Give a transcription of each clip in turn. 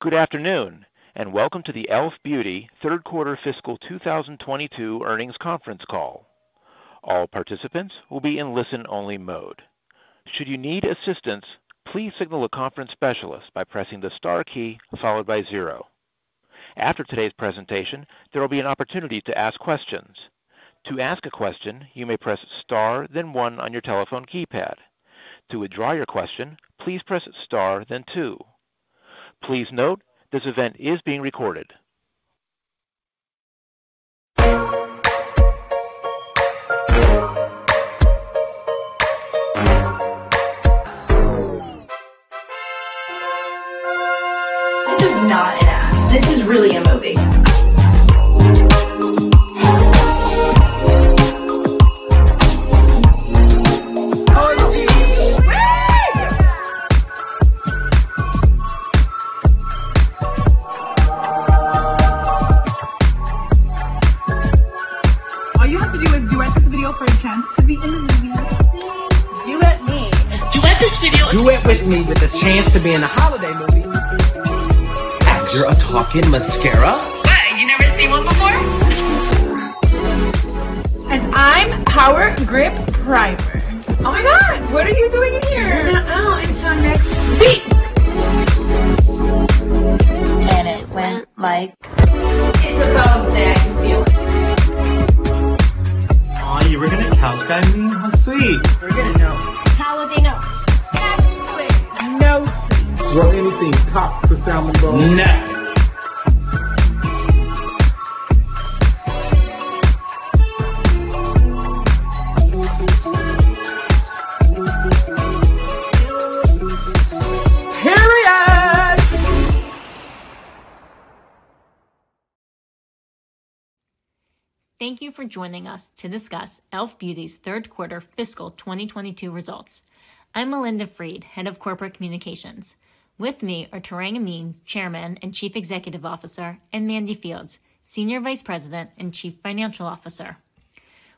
Good afternoon, and welcome to the e.l.f. Beauty Q3 fiscal 2022 earnings conference call. All participants will be in listen only mode. Should you need assistance, please signal the conference specialist by pressing the star key followed by zero. After today's presentation, there will be an opportunity to ask questions. To ask a question, you may press star then one on your telephone keypad. To withdraw your question, please press star then two. Please note, this event is being recorded. This is not an ad. This is really a movie. All you have to do is duet this video for a chance to be in the movie. Duet me. Duet this video. Duet with me with a chance to be in a holiday movie. You're a talking mascara? What, you've never seen one before? I'm Power Grip Primer. Oh my God, what are you doing here? You're gonna own until next week. It went like it's a bop, Dad. You feel it. Aw, you were gonna tattletale on me? How sweet. They're gonna know. How would they know? Absolutely no shade. Will anything top the salmon bowl? No. Period. Thank you for joining us to discuss e.l.f. Beauty's Q3 fiscal 2022 results. I'm Melinda Fried, Head of Corporate Communications. With me are Tarang Amin, Chairman and Chief Executive Officer, and Mandy Fields, Senior Vice President and Chief Financial Officer.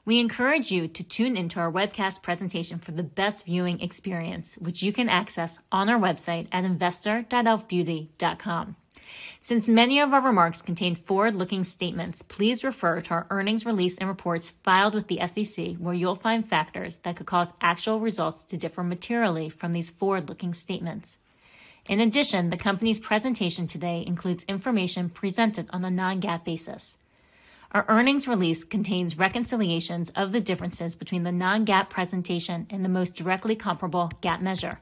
We encourage you to tune into our webcast presentation for the best viewing experience, which you can access on our website at investor.elfbeauty.com. Since many of our remarks contain forward-looking statements, please refer to our earnings release and reports filed with the SEC, where you'll find factors that could cause actual results to differ materially from these forward-looking statements. In addition, the company's presentation today includes information presented on a non-GAAP basis. Our earnings release contains reconciliations of the differences between the non-GAAP presentation and the most directly comparable GAAP measure.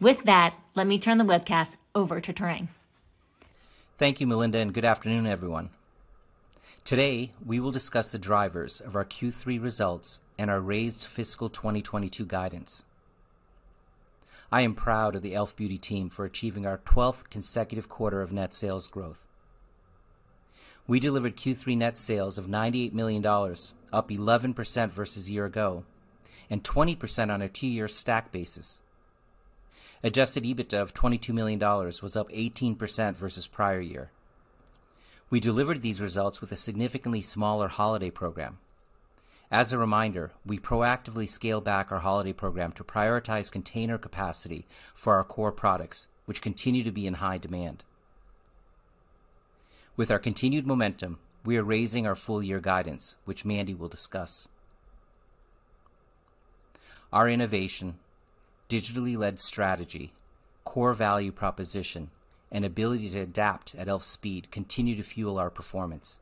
With that, let me turn the webcast over to Tarang. Thank you, Melinda, and good afternoon, everyone. Today, we will discuss the drivers of our Q3 results and our raised fiscal 2022 guidance. I am proud of the e.l.f. Beauty team for achieving our 12th consecutive quarter of net sales growth. We delivered Q3 net sales of $98 million, up 11% versus year ago, and 20% on a two-year stack basis. Adjusted EBITDA of $22 million was up 18% versus prior year. We delivered these results with a significantly smaller holiday program. As a reminder, we proactively scaled back our holiday program to prioritize container capacity for our core products, which continue to be in high demand. With our continued momentum, we are raising our full year guidance, which Mandy will discuss. Our innovation, digitally-led strategy, core value proposition, and ability to adapt at e.l.f. speed continue to fuel our performance.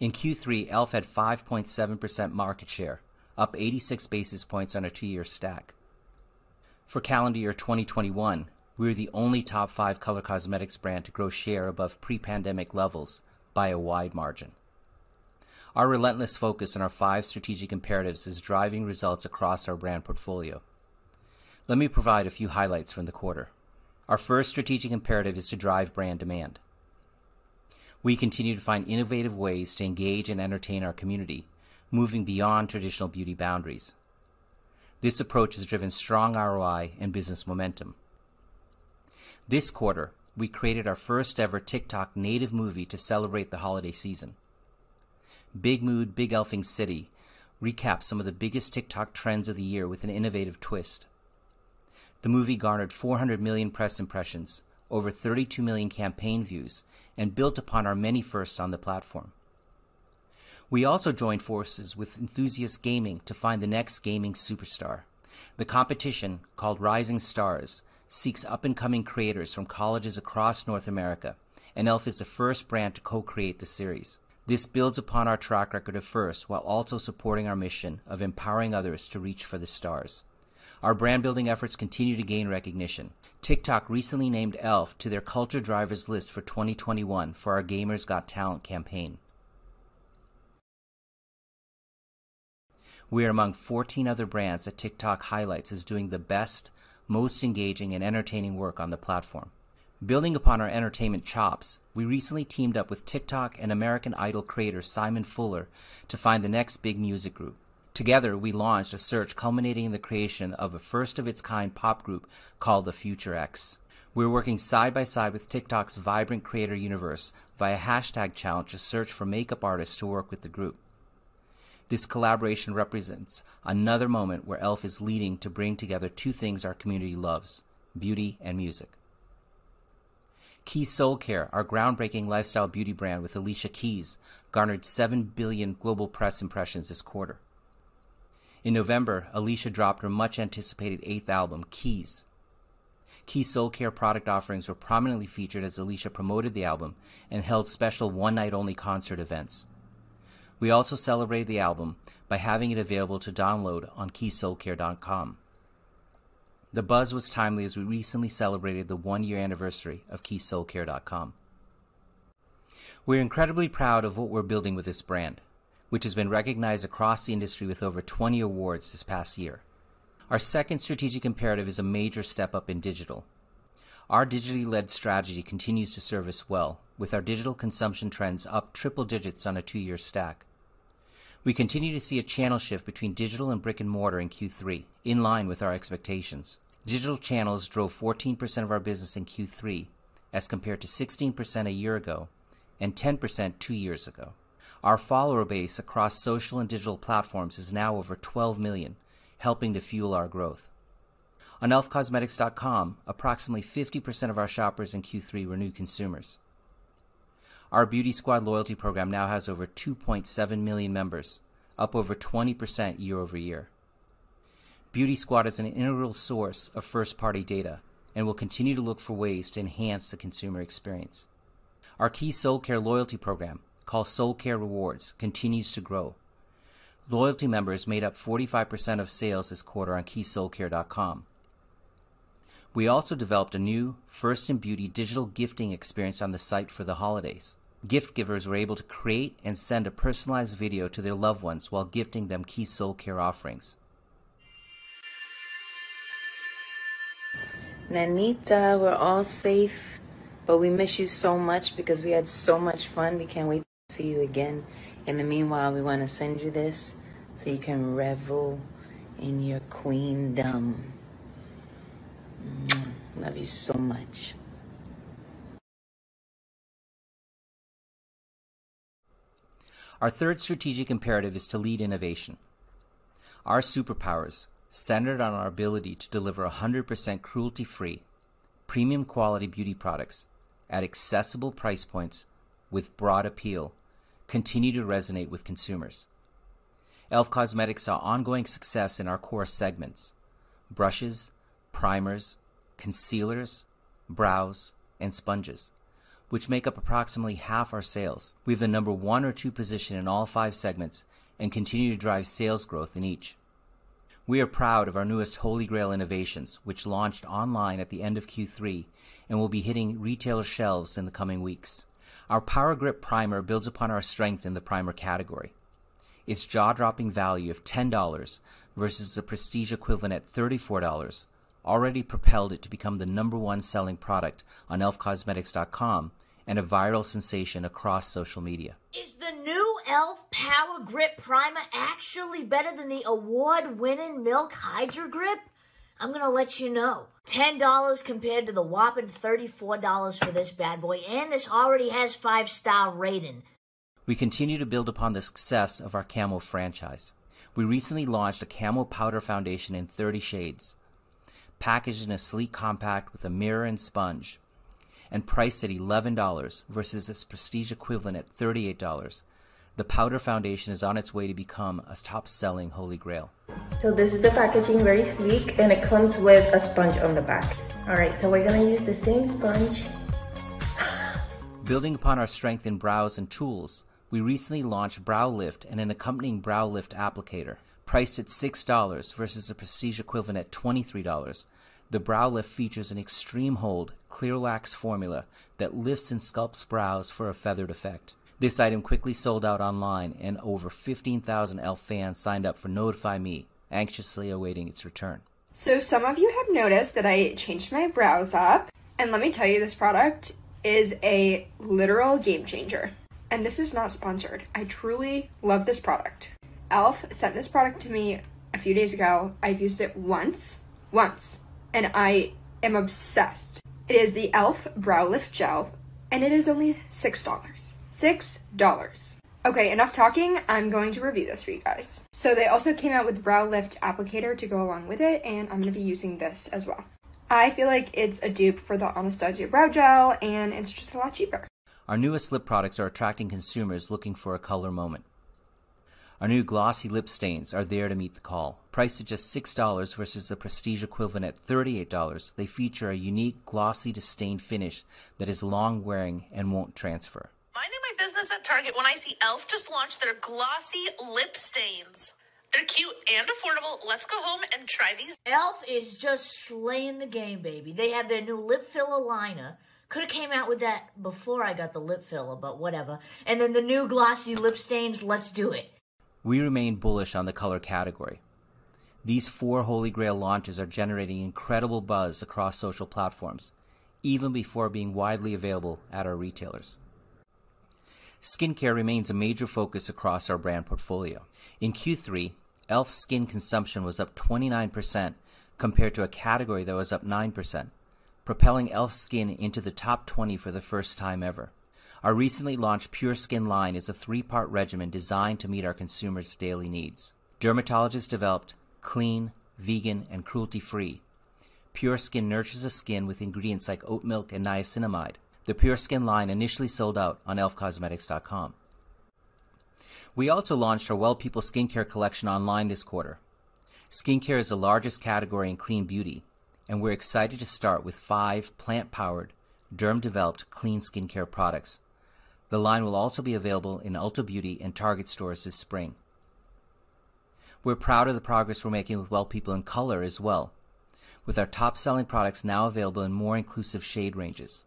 In Q3, e.l.f. Had 5.7% market share, up 86 basis points on a two-year stack. For calendar year 2021, we were the only top five color cosmetics brand to grow share above pre-pandemic levels by a wide margin. Our relentless focus on our five strategic imperatives is driving results across our brand portfolio. Let me provide a few highlights from the quarter. Our first strategic imperative is to drive brand demand. We continue to find innovative ways to engage and entertain our community, moving beyond traditional beauty boundaries. This approach has driven strong ROI and business momentum. This quarter, we created our first ever TikTok native movie to celebrate the holiday season. Big Mood, Big e.l.f.ing City recapped some of the biggest TikTok trends of the year with an innovative twist. The movie garnered 400 million press impressions, over 32 million campaign views, and built upon our many firsts on the platform. We also joined forces with Enthusiast Gaming to find the next gaming superstar. The competition, called Rising Stars seeks up-and-coming creators from colleges across North America, and e.l.f. is the first brand to co-create the series. This builds upon our track record of firsts while also supporting our mission of empowering others to reach for the stars. Our brand building efforts continue to gain recognition. TikTok recently named e.l.f. to their Culture Drivers list for 2021 for our Gamers Got Talent campaign. We are among 14 other brands that TikTok highlights as doing the best, most engaging, and entertaining work on the platform. Building upon our entertainment chops, we recently teamed up with TikTok and American Idol creator Simon Fuller to find the next big music group. Together, we launched a search culminating in the creation of a first of its kind pop group called The Future X. We're working side by side with TikTok's vibrant creator universe via hashtag challenge to search for makeup artists to work with the group. This collaboration represents another moment where e.l.f is leading to bring together two things our community loves, beauty and music. Keys Soulcare, our groundbreaking lifestyle beauty brand with Alicia Keys, garnered seven billion global press impressions this quarter. In November, Alicia dropped her much anticipated eighth album, Keys. Keys Soulcare product offerings were prominently featured as Alicia promoted the album and held special one night only concert events. We also celebrated the album by having it available to download on keyssoulcare.com. The buzz was timely as we recently celebrated the one-year anniversary of keyssoulcare.com. We're incredibly proud of what we're building with this brand, which has been recognized across the industry with over 20 awards this past year. Our second strategic imperative is a major step up in digital. Our digitally led strategy continues to serve us well, with our digital consumption trends up triple digits on a two-year stack. We continue to see a channel shift between digital and brick and mortar in Q3, in line with our expectations. Digital channels drove 14% of our business in Q3 as compared to 16% a year ago and 10% two years ago. Our follower base across social and digital platforms is now over 12 million, helping to fuel our growth. On elfcosmetics.com, approximately 50% of our shoppers in Q3 were new consumers. Our Beauty Squad loyalty program now has over 2.7 million members, up over 20% year-over-year. Beauty Squad is an integral source of first-party data and we'll continue to look for ways to enhance the consumer experience. Our Keys Soulcare loyalty program, called Soulcare Rewards, continues to grow. Loyalty members made up 45% of sales this quarter on keyssoulcare.com. We also developed a new first-in-beauty digital gifting experience on the site for the holidays. Gift givers were able to create and send a personalized video to their loved ones while gifting them Keys Soulcare offerings. Nanita, we're all safe, but we miss you so much because we had so much fun. We can't wait to see you again. In the meanwhile, we want to send you this so you can revel in your queendom. Love you so much. Our third strategic imperative is to lead innovation. Our superpowers, centered on our ability to deliver 100% cruelty-free, premium quality beauty products at accessible price points with broad appeal, continue to resonate with consumers. e.l.f. Cosmetics saw ongoing success in our core segments, brushes, primers, concealers, brows and sponges, which make up approximately half our sales. We have the number one or two position in all five segments and continue to drive sales growth in each. We are proud of our newest Holy Grail innovations, which launched online at the end of Q3 and will be hitting retail shelves in the coming weeks. Our Power Grip Primer builds upon our strength in the primer category. Its jaw-dropping value of $10 versus a prestige equivalent at $34 already propelled it to become the number one selling product on elfcosmetics.com and a viral sensation across social media. Is the new e.l.f. Power Grip Primer actually better than the award-winning Milk Hydro Grip? I'm gonna let you know. $10 compared to the whopping $34 for this bad boy, and this already has five-star rating. We continue to build upon the success of our Camo franchise. We recently launched a Camo Powder Foundation in 30 shades, packaged in a sleek compact with a mirror and sponge and priced at $11 versus its prestige equivalent at $38. The powder foundation is on its way to become a top-selling Holy Grail. This is the packaging, very sleek, and it comes with a sponge on the back. All right, we're going to use the same sponge. Building upon our strength in brows and tools, we recently launched Brow Lift and an accompanying Brow Lift Applicator priced at $6 versus a prestige equivalent at $23. The Brow Lift features an extreme hold clear wax formula that lifts and sculpts brows for a feathered effect. This item quickly sold out online and over 15,000 e.l.f. fans signed up for Notify Me, anxiously awaiting its return. Some of you have noticed that I changed my brows up and let me tell you, this product is a literal game changer and this is not sponsored. I truly love this product. e.l.f sent this product to me a few days ago. I've used it once, and I am obsessed. It is the e.l.f Brow Lift Gel, and it is only $6. $6. Okay, enough talking. I'm going to review this for you guys. They also came out with Brow Lift Applicator to go along with it, and I'm going to be using this as well. I feel like it's a dupe for the Anastasia Brow Gel, and it's just a lot cheaper. Our newest lip products are attracting consumers looking for a color moment. Our new Glossy Lip Stain are there to meet the call. Priced at just $6 versus the prestige equivalent at $38, they feature a unique glossy to stain finish that is long wearing and won't transfer. Minding my business at Target when I see e.l.f. just launched their Glossy Lip Stain. They're cute and affordable. Let's go home and try these. e.l.f. is just slaying the game, baby. They have their new lip filler liner. Could have came out with that before I got the lip filler, but whatever. Then the new Glossy Lip Stains. Let's do it. We remain bullish on the color category. These four Holy Grail launches are generating incredible buzz across social platforms even before being widely available at our retailers. Skincare remains a major focus across our brand portfolio. In Q3, e.l.f. skin consumption was up 29% compared to a category that was up 9%, propelling e.l.f. SKIN into the top 20 for the first time ever. Our recently launched Pure Skin line is a three-part regimen designed to meet our consumers' daily needs. Dermatologist-developed clean, vegan, and cruelty-free. Pure Skin nurtures the skin with ingredients like oat milk and niacinamide. The Pure Skin line initially sold out on elfcosmetics.com. We also launched our Well People skincare collection online this quarter. Skincare is the largest category in clean beauty, and we're excited to start with five plant-powered, dermatologist-developed clean skincare products. The line will also be available in Ulta Beauty and Target stores this spring. We're proud of the progress we're making with Well People in color as well, with our top-selling products now available in more inclusive shade ranges.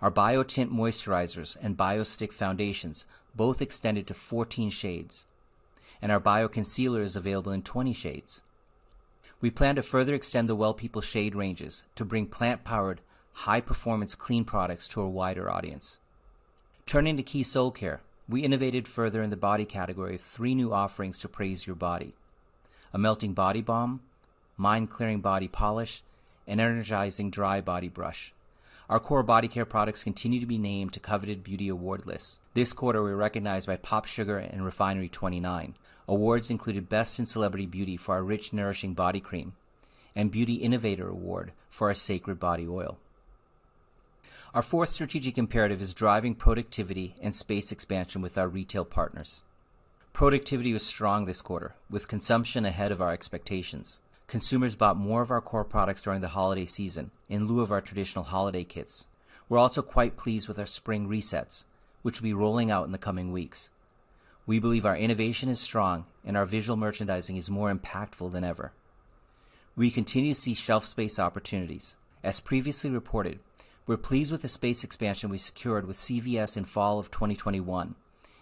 Our Bio Tint Moisturizers and Bio Stick Foundations both extended to 14 shades, and our Bio Correct Concealer is available in 20 shades. We plan to further extend the Well People shade ranges to bring plant-powered, high-performance clean products to a wider audience. Turning to Keys Soulcare, we innovated further in the body category with three new offerings to praise your body, a melting body balm, mind-clearing body polish, an energizing dry body brush. Our core body care products continue to be named to coveted beauty award lists. This quarter, we were recognized by PopSugar and Refinery29. Awards included Best in Celebrity Beauty for our rich, nourishing body cream and Beauty Innovator Award for our sacred body oil. Our fourth strategic imperative is driving productivity and space expansion with our retail partners. Productivity was strong this quarter, with consumption ahead of our expectations. Consumers bought more of our core products during the holiday season in lieu of our traditional holiday kits. We're also quite pleased with our spring resets, which will be rolling out in the coming weeks. We believe our innovation is strong and our visual merchandising is more impactful than ever. We continue to see shelf space opportunities. As previously reported, we're pleased with the space expansion we secured with CVS in fall of 2021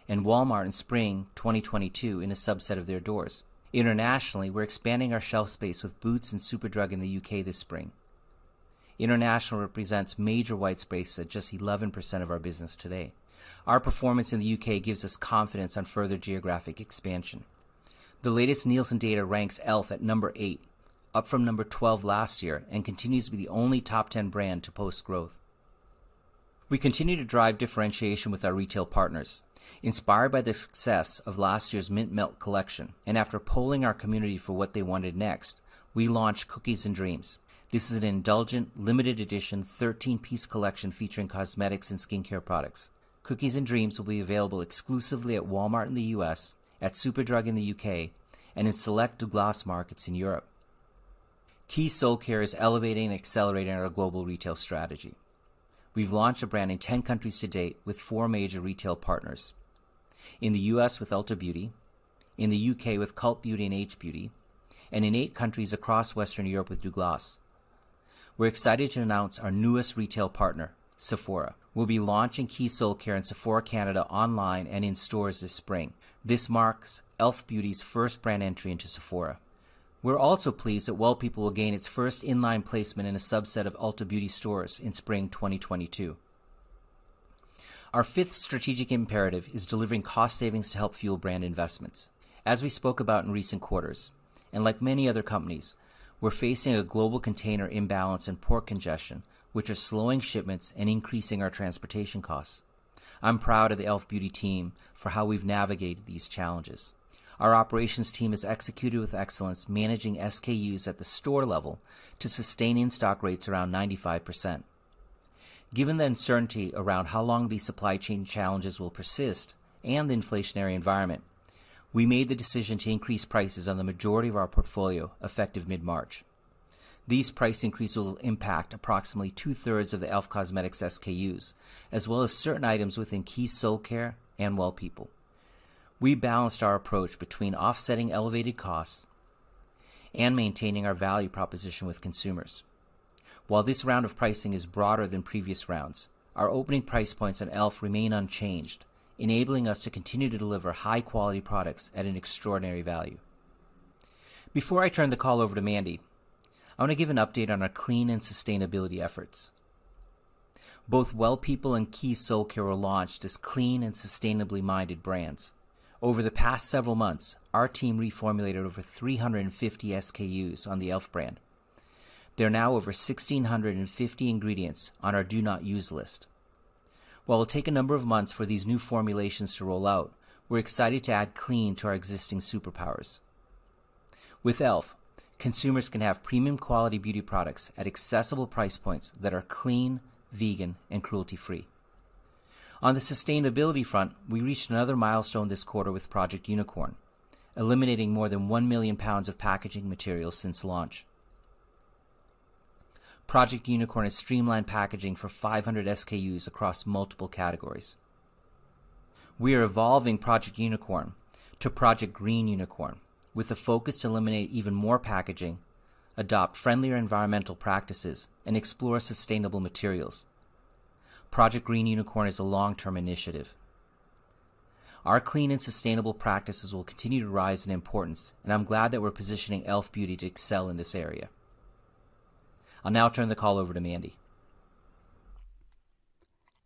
and Walmart in spring 2022 in a subset of their doors. Internationally, we're expanding our shelf space with Boots and Superdrug in the U.K. this spring. International represents major white space at just 11% of our business today. Our performance in the U.K. gives us confidence on further geographic expansion. The latest Nielsen data ranks e.l.f. at number eight, up from number 12 last year, and continues to be the only top ten brand to post growth. We continue to drive differentiation with our retail partners. Inspired by the success of last year's Mint Melt collection and after polling our community for what they wanted next, we launched Cookies and Dreams. This is an indulgent, limited edition, 13-piece collection featuring cosmetics and skincare products. Cookies and Dreams will be available exclusively at Walmart in the U.S., at Superdrug in the U.K., and in select Douglas markets in Europe. Keys Soulcare is elevating and accelerating our global retail strategy. We've launched the brand in 10 countries to date with four major retail partners. In the U.S. with Ulta Beauty, in the U.K. with Cult Beauty and H Beauty, and in 8 countries across Western Europe with Douglas. We're excited to announce our newest retail partner, Sephora. We'll be launching Keys Soulcare in Sephora Canada online and in stores this spring. This marks e.l.f. Beauty's first brand entry into Sephora. We're also pleased that Well People will gain its first in-line placement in a subset of Ulta Beauty stores in spring 2022. Our 5th strategic imperative is delivering cost savings to help fuel brand investments. As we spoke about in recent quarters, and like many other companies, we're facing a global container imbalance and port congestion, which are slowing shipments and increasing our transportation costs. I'm proud of the e.l.f. Beauty team for how we've navigated these challenges. Our operations team has executed with excellence, managing SKUs at the store level to sustaining stock rates around 95%. Given the uncertainty around how long these supply chain challenges will persist and the inflationary environment, we made the decision to increase prices on the majority of our portfolio effective mid-March. These price increases will impact approximately two-thirds of the e.l.f. Cosmetics SKUs, as well as certain items within Keys Soulcare and Well People. We balanced our approach between offsetting elevated costs and maintaining our value proposition with consumers. While this round of pricing is broader than previous rounds, our opening price points at e.l.f. remain unchanged, enabling us to continue to deliver high-quality products at an extraordinary value. Before I turn the call over to Mandy, I want to give an update on our clean and sustainability efforts. Both Well People and Keys Soulcare were launched as clean and sustainably minded brands. Over the past several months, our team reformulated over 350 SKUs on the e.l.f. brand. There are now over 1,650 ingredients on our Do Not Use list. While it'll take a number of months for these new formulations to roll out, we're excited to add clean to our existing superpowers. With e.l.f., consumers can have premium quality beauty products at accessible price points that are clean, vegan, and cruelty-free. On the sustainability front, we reached another milestone this quarter with Project Unicorn, eliminating more than 1 million pounds of packaging materials since launch. Project Unicorn has streamlined packaging for 500 SKUs across multiple categories. We are evolving Project Unicorn to Project Green Unicorn with a focus to eliminate even more packaging, adopt friendlier environmental practices, and explore sustainable materials. Project Green Unicorn is a long-term initiative. Our clean and sustainable practices will continue to rise in importance, and I'm glad that we're positioning e.l.f. Beauty to excel in this area. I'll now turn the call over to Mandy.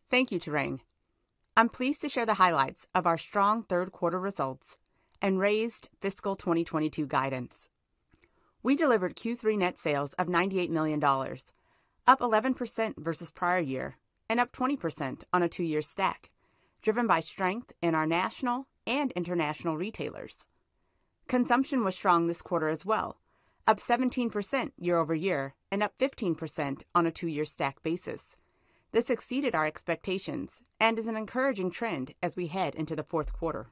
Thank you, Tarang. I'm pleased to share the highlights of our strong Q3 results and raised fiscal 2022 guidance. We delivered Q3 net sales of $98 million, up 11% versus prior year and up 20% on a two-year stack, driven by strength in our national and international retailers. Consumption was strong this quarter as well, up 17% year-over-year and up 15% on a two-year stack basis. This exceeded our expectations and is an encouraging trend as we head into the Q4.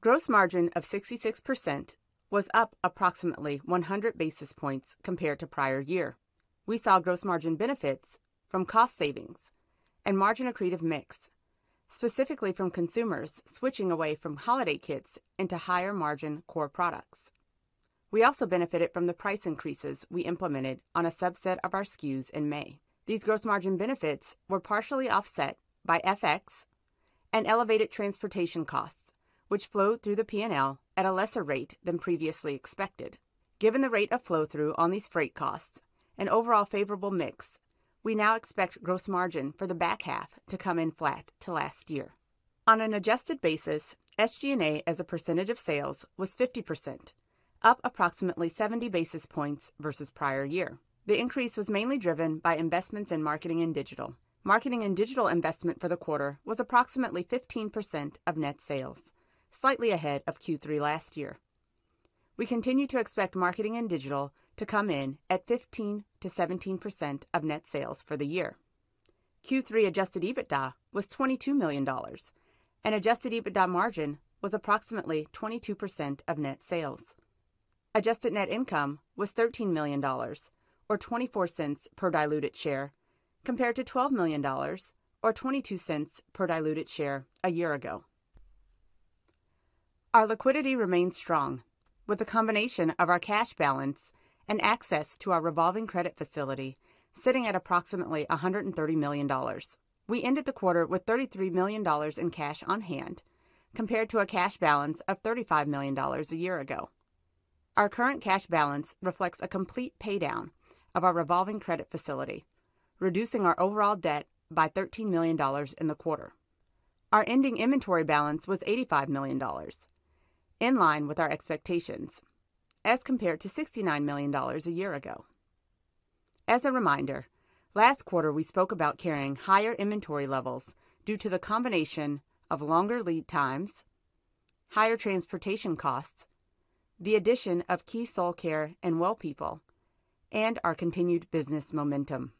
Gross margin of 66% was up approximately 100 basis points compared to prior year. We saw gross margin benefits from cost savings and margin accretive mix, specifically from consumers switching away from holiday kits into higher-margin core products. We also benefited from the price increases we implemented on a subset of our SKUs in May. These gross margin benefits were partially offset by FX and elevated transportation costs, which flowed through the P&L at a lesser rate than previously expected. Given the rate of flow-through on these freight costs and overall favorable mix, we now expect gross margin for the back half to come in flat to last year. On an adjusted basis, SG&A as a percentage of sales was 50%, up approximately 70 basis points versus prior year. The increase was mainly driven by investments in marketing and digital. Marketing and digital investment for the quarter was approximately 15% of net sales, slightly ahead of Q3 last year. We continue to expect marketing and digital to come in at 15%-17% of net sales for the year. Q3 adjusted EBITDA was $22 million, and adjusted EBITDA margin was approximately 22% of net sales. Adjusted net income was $13 million or $0.24 per diluted share, compared to $12 million or $0.22 per diluted share a year ago. Our liquidity remains strong with a combination of our cash balance and access to our revolving credit facility sitting at approximately $130 million. We ended the quarter with $33 million in cash on hand, compared to a cash balance of $35 million a year ago. Our current cash balance reflects a complete paydown of our revolving credit facility, reducing our overall debt by $13 million in the quarter. Our ending inventory balance was $85 million, in line with our expectations as compared to $69 million a year ago. As a reminder, last quarter we spoke about carrying higher inventory levels due to the combination of longer lead times, higher transportation costs, the addition of Keys Soulcare and Well People, and our continued business momentum.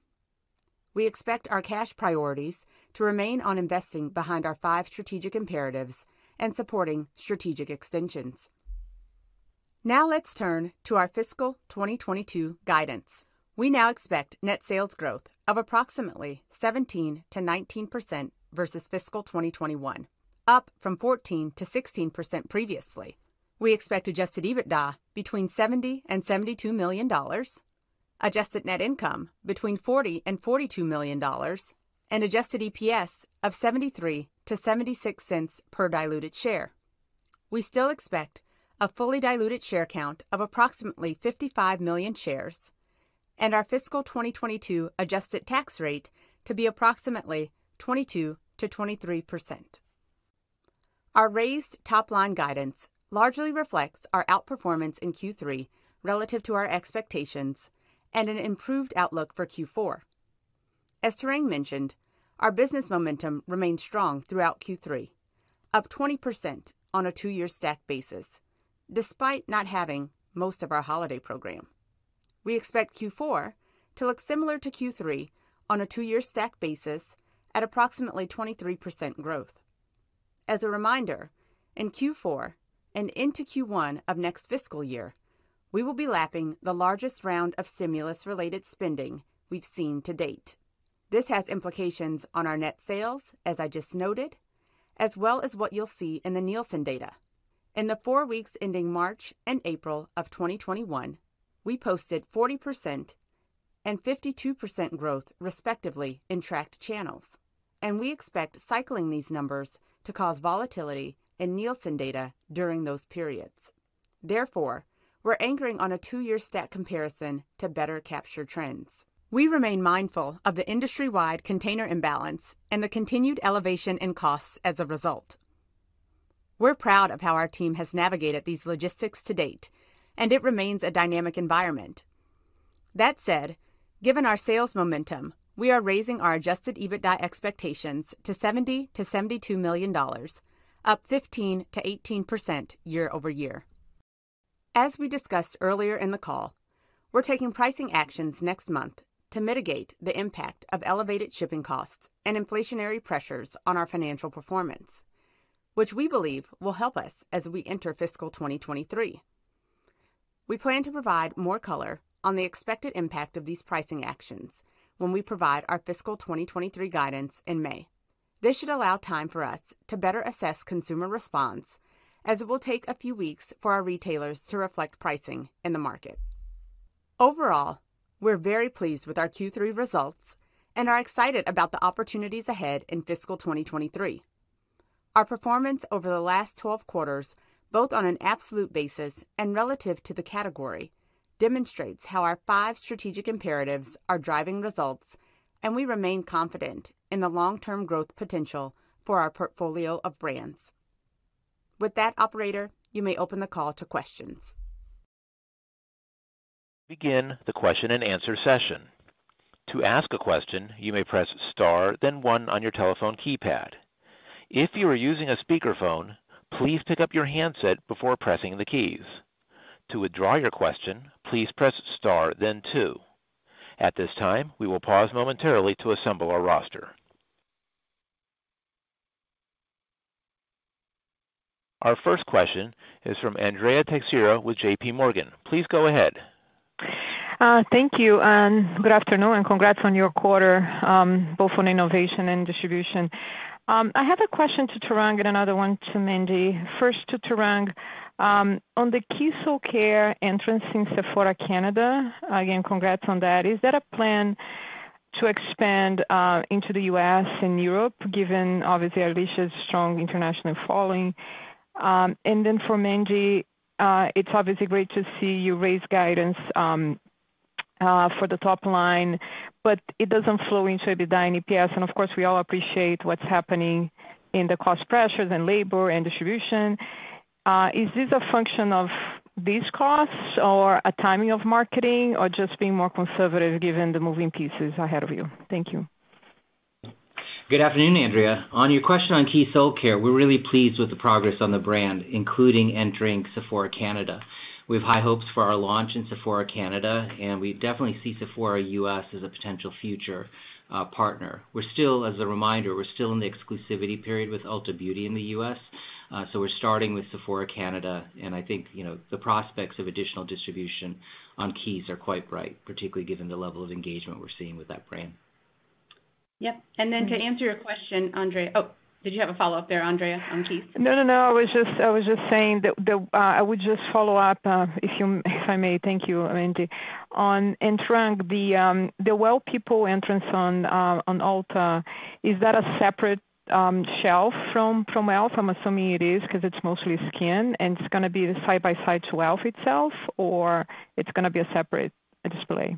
We expect our cash priorities to remain on investing behind our five strategic imperatives and supporting strategic extensions. Now let's turn to our fiscal 2022 guidance. We now expect net sales growth of approximately 17%-19% versus fiscal 2021, up from 14%-16% previously. We expect adjusted EBITDA between $70 million and $72 million, adjusted net income between $40 million and $42 million, and adjusted EPS of $0.73-$0.76 per diluted share. We still expect a fully diluted share count of approximately 55 million shares and our fiscal 2022 adjusted tax rate to be approximately 22%-23%. Our raised top-line guidance largely reflects our outperformance in Q3 relative to our expectations and an improved outlook for Q4. As Tarang mentioned, our business momentum remained strong throughout Q3, up 20% on a two-year stack basis, despite not having most of our holiday program. We expect Q4 to look similar to Q3 on a two-year stack basis at approximately 23% growth. As a reminder, in Q4 and into Q1 of next fiscal year, we will be lapping the largest round of stimulus-related spending we've seen to date. This has implications on our net sales, as I just noted, as well as what you'll see in the Nielsen data. In the four weeks ending March and April of 2021, we posted 40% and 52% growth, respectively, in tracked channels. We expect cycling these numbers to cause volatility in Nielsen data during those periods. Therefore, we're anchoring on a two-year stack comparison to better capture trends. We remain mindful of the industry-wide container imbalance and the continued elevation in costs as a result. We're proud of how our team has navigated these logistics to date, and it remains a dynamic environment. That said, given our sales momentum, we are raising our adjusted EBITDA expectations to $70 million-$72 million, up 15%-18% year over year. As we discussed earlier in the call, we're taking pricing actions next month to mitigate the impact of elevated shipping costs and inflationary pressures on our financial performance, which we believe will help us as we enter fiscal 2023. We plan to provide more color on the expected impact of these pricing actions when we provide our fiscal 2023 guidance in May. This should allow time for us to better assess consumer response as it will take a few weeks for our retailers to reflect pricing in the market. Overall, we're very pleased with our Q3 results and are excited about the opportunities ahead in fiscal 2023. Our performance over the last 12 quarters, both on an absolute basis and relative to the category, demonstrates how our five strategic imperatives are driving results, and we remain confident in the long-term growth potential for our portfolio of brands. With that, operator, you may open the call to questions. We begin the question and answer session. To ask a question, you may press star then one on your telephone keypad. If you are using the speaker phone please introduce your answer before pressing the keys. To withdraw your question, please press star then two. At this point we will pose momentarily for a roaster. Our first question is from Andrea Teixeira with JPMorgan. Please go ahead. Thank you and good afternoon, and congrats on your quarter, both on innovation and distribution. I have a question to Tarang and another one to Mandy. First to Tarang. On the Keys Soulcare entrance in Sephora Canada. Again, congrats on that. Is that a plan to expand into the U.S. and Europe, given obviously Alicia's strong international following? And then for Mandy, it's obviously great to see you raise guidance for the top line, but it doesn't flow into EBITDA and EPS. Of course, we all appreciate what's happening in the cost pressures in labor and distribution. Is this a function of these costs or a timing of marketing, or just being more conservative given the moving pieces ahead of you? Thank you. Good afternoon, Andrea. On your question on Keys Soulcare, we're really pleased with the progress on the brand, including entering Sephora Canada. We have high hopes for our launch in Sephora Canada, and we definitely see Sephora U.S. as a potential future partner. As a reminder, we're still in the exclusivity period with Ulta Beauty in the U.S., so we're starting with Sephora Canada, and I think, you know, the prospects of additional distribution on Keys are quite bright, particularly given the level of engagement we're seeing with that brand. Yep. To answer your question, Andrea. Oh, did you have a follow-up there, Andrea, on Keys? No, no. I was just saying that I would just follow up if I may, thank you, Mandy. On and Tarang, the Well People entrance on Ulta, is that a separate shelf from e.l.f.? I'm assuming it is 'cause it's mostly skin, and it's gonna be side by side to Elf itself, or it's gonna be a separate display.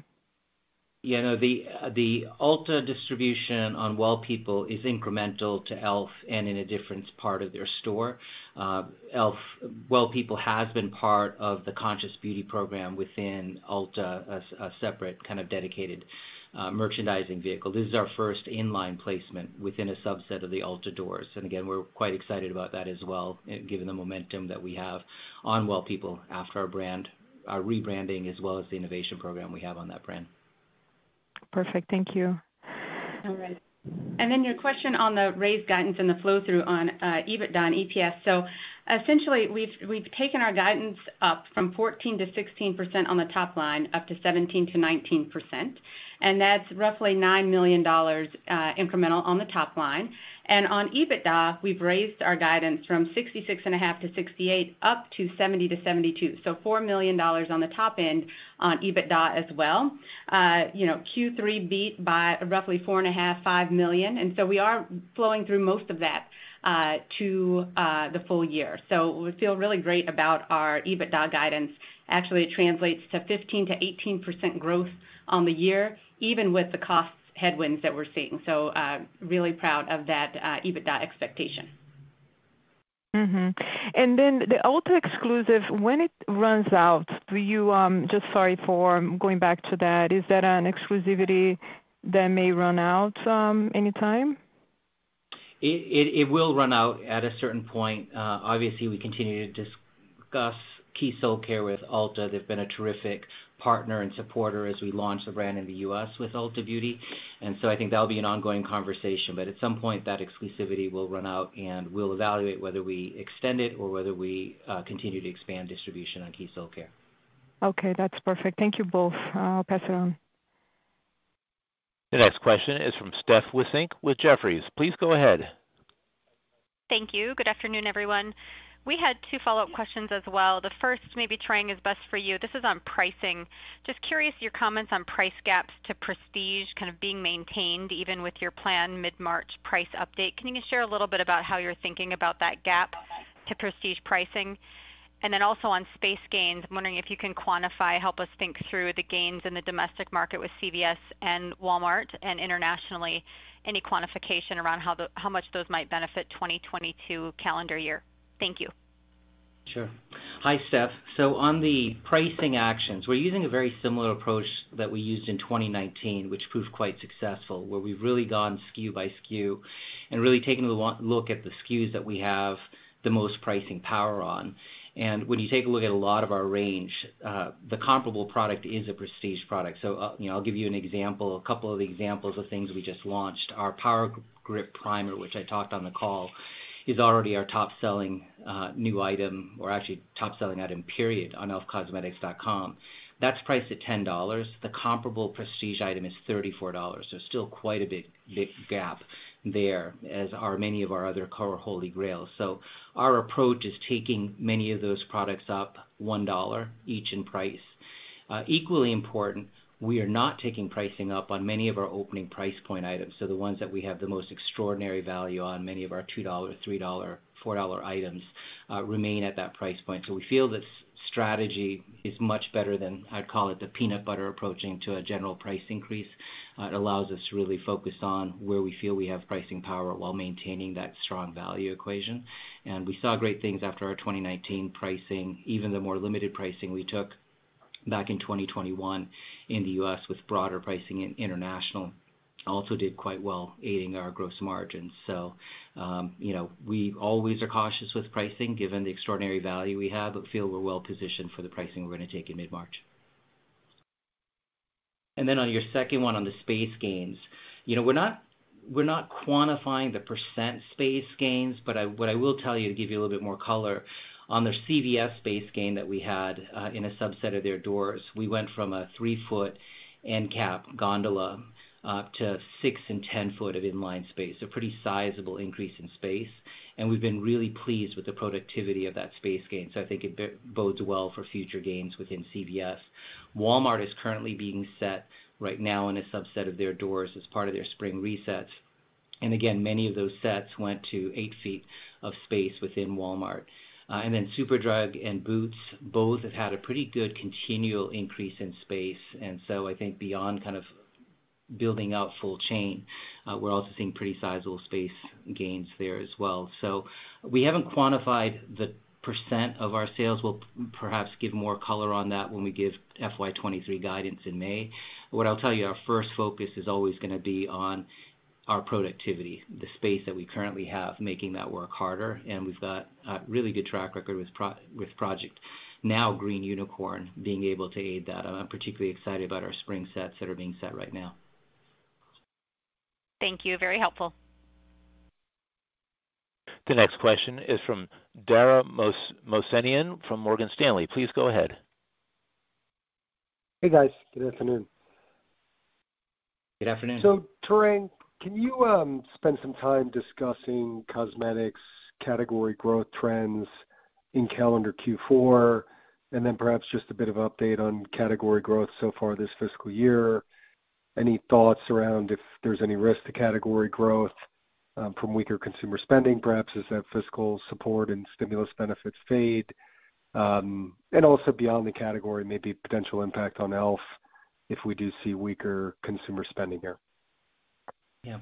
Yeah, no. The Ulta distribution on Well People is incremental to e.l.f. And in a different part of their store. Well people has been part of the Conscious Beauty program within Ulta, a separate kind of dedicated merchandising vehicle. This is our first in-line placement within a subset of the Ulta doors. We're quite excited about that as well, given the momentum that we have on Well People after our rebranding, as well as the innovation program we have on that brand. Perfect. Thank you. All right. Your question on the raised guidance and the flow-through on EBITDA and EPS. Essentially, we've taken our guidance up from 14%-16% on the top line, up to 17%-19%, and that's roughly $9 million incremental on the top line. On EBITDA, we've raised our guidance from $66.5 million-$68 million, up to $70 million-$72 million. $4 million on the top end on EBITDA as well. You know, Q3 beat by roughly $4.5 million-$5 million, and we are flowing through most of that to the full year. We feel really great about our EBITDA guidance. Actually, it translates to 15%-18% growth on the year, even with the cost headwinds that we're seeing. Really proud of that EBITDA expectation. The Ulta exclusive, when it runs out. Just sorry for going back to that. Is that an exclusivity that may run out anytime? It will run out at a certain point. Obviously, we continue to discuss Keys Soulcare with Ulta Beauty. They've been a terrific partner and supporter as we launch the brand in the U.S. with Ulta Beauty. I think that'll be an ongoing conversation. At some point, that exclusivity will run out, and we'll evaluate whether we extend it or whether we continue to expand distribution on Keys Soulcare. Okay, that's perfect. Thank you both. I'll pass it on. The next question is from Steph Wissink with Jefferies. Please go ahead. Thank you. Good afternoon, everyone. We had two follow-up questions as well. This is on pricing. Just curious, your comments on price gaps to prestige kind of being maintained even with your planned mid-March price update. Can you just share a little bit about how you're thinking about that gap to prestige pricing? And then also on space gains, I'm wondering if you can quantify, help us think through the gains in the domestic market with CVS and Walmart and internationally, any quantification around how much those might benefit 2022 calendar year. Thank you. Sure. Hi, Steph. On the pricing actions, we're using a very similar approach that we used in 2019, which proved quite successful, where we've really gone SKU by SKU and really taken a look at the SKUs that we have the most pricing power on. When you take a look at a lot of our range, the comparable product is a prestige product. You know, I'll give you an example, a couple of examples of things we just launched. Our Power Grip Primer, which I talked on the call, is already our top-selling new item or actually top-selling item period on elfcosmetics.com. That's priced at $10. The comparable prestige item is $34. There's still quite a big gap there, as are many of our other core Holy Grails. Our approach is taking many of those products up $1 each in price. Equally important, we are not taking pricing up on many of our opening price point items. The ones that we have the most extraordinary value on, many of our 2-dollar, 3-dollar, 4-dollar items, remain at that price point. We feel this strategy is much better than, I'd call it, the peanut butter approach to a general price increase. It allows us to really focus on where we feel we have pricing power while maintaining that strong value equation. We saw great things after our 2019 pricing. Even the more limited pricing we took back in 2021 in the U.S. with broader pricing in international also did quite well aiding our gross margins. You know, we always are cautious with pricing given the extraordinary value we have, but feel we're well-positioned for the pricing we're gonna take in mid-March. On your second one on the space gains, you know, we're not quantifying the % space gains, but what I will tell you to give you a little bit more color on the CVS space gain that we had, in a subset of their doors, we went from a three-foot end cap gondola, to six and 10 foot of inline space, a pretty sizable increase in space. We've been really pleased with the productivity of that space gain. I think it bodes well for future gains within CVS. Walmart is currently being set right now in a subset of their doors as part of their spring resets. Again, many of those sets went to eight feet of space within Walmart. Then Superdrug and Boots both have had a pretty good continual increase in space. I think beyond kind of building out full chain, we're also seeing pretty sizable space gains there as well. We haven't quantified the percent of our sales. We'll perhaps give more color on that when we give FY 2023 guidance in May. What I'll tell you, our first focus is always gonna be on our productivity, the space that we currently have, making that work harder. We've got a really good track record with Project Green Unicorn, being able to aid that. I'm particularly excited about our spring sets that are being set right now. Thank you. Very helpful. The next question is from Dara Mohsenian from Morgan Stanley. Please go ahead. Hey, guys. Good afternoon. Good afternoon. Tarang, can you spend some time discussing cosmetics category growth trends in calendar Q4, and then perhaps just a bit of update on category growth so far this fiscal year? Any thoughts around if there's any risk to category growth from weaker consumer spending, perhaps as that fiscal support and stimulus benefits fade? Also beyond the category, maybe potential impact on e.l.f. if we do see weaker consumer spending here. Yeah.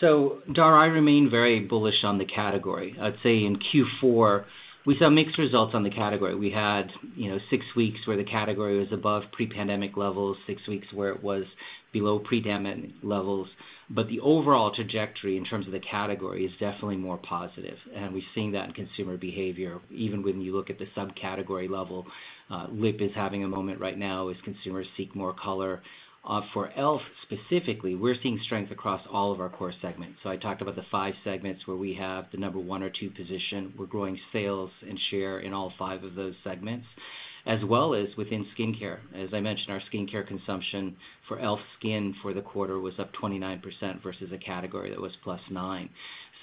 Dara, I remain very bullish on the category. I'd say in Q4, we saw mixed results on the category. We had, you know, six weeks where the category was above pre-pandemic levels, six weeks where it was below pre-pandemic levels. The overall trajectory in terms of the category is definitely more positive, and we've seen that in consumer behavior. Even when you look at the subcategory level, lip is having a moment right now as consumers seek more color. For e.l.f. specifically, we're seeing strength across all of our core segments. I talked about the five segments where we have the number one or two position. We're growing sales and share in all five of those segments, as well as within skincare. As I mentioned, our skincare consumption for e.l.f. SKIN for the quarter was up 29% versus a category that was +9%.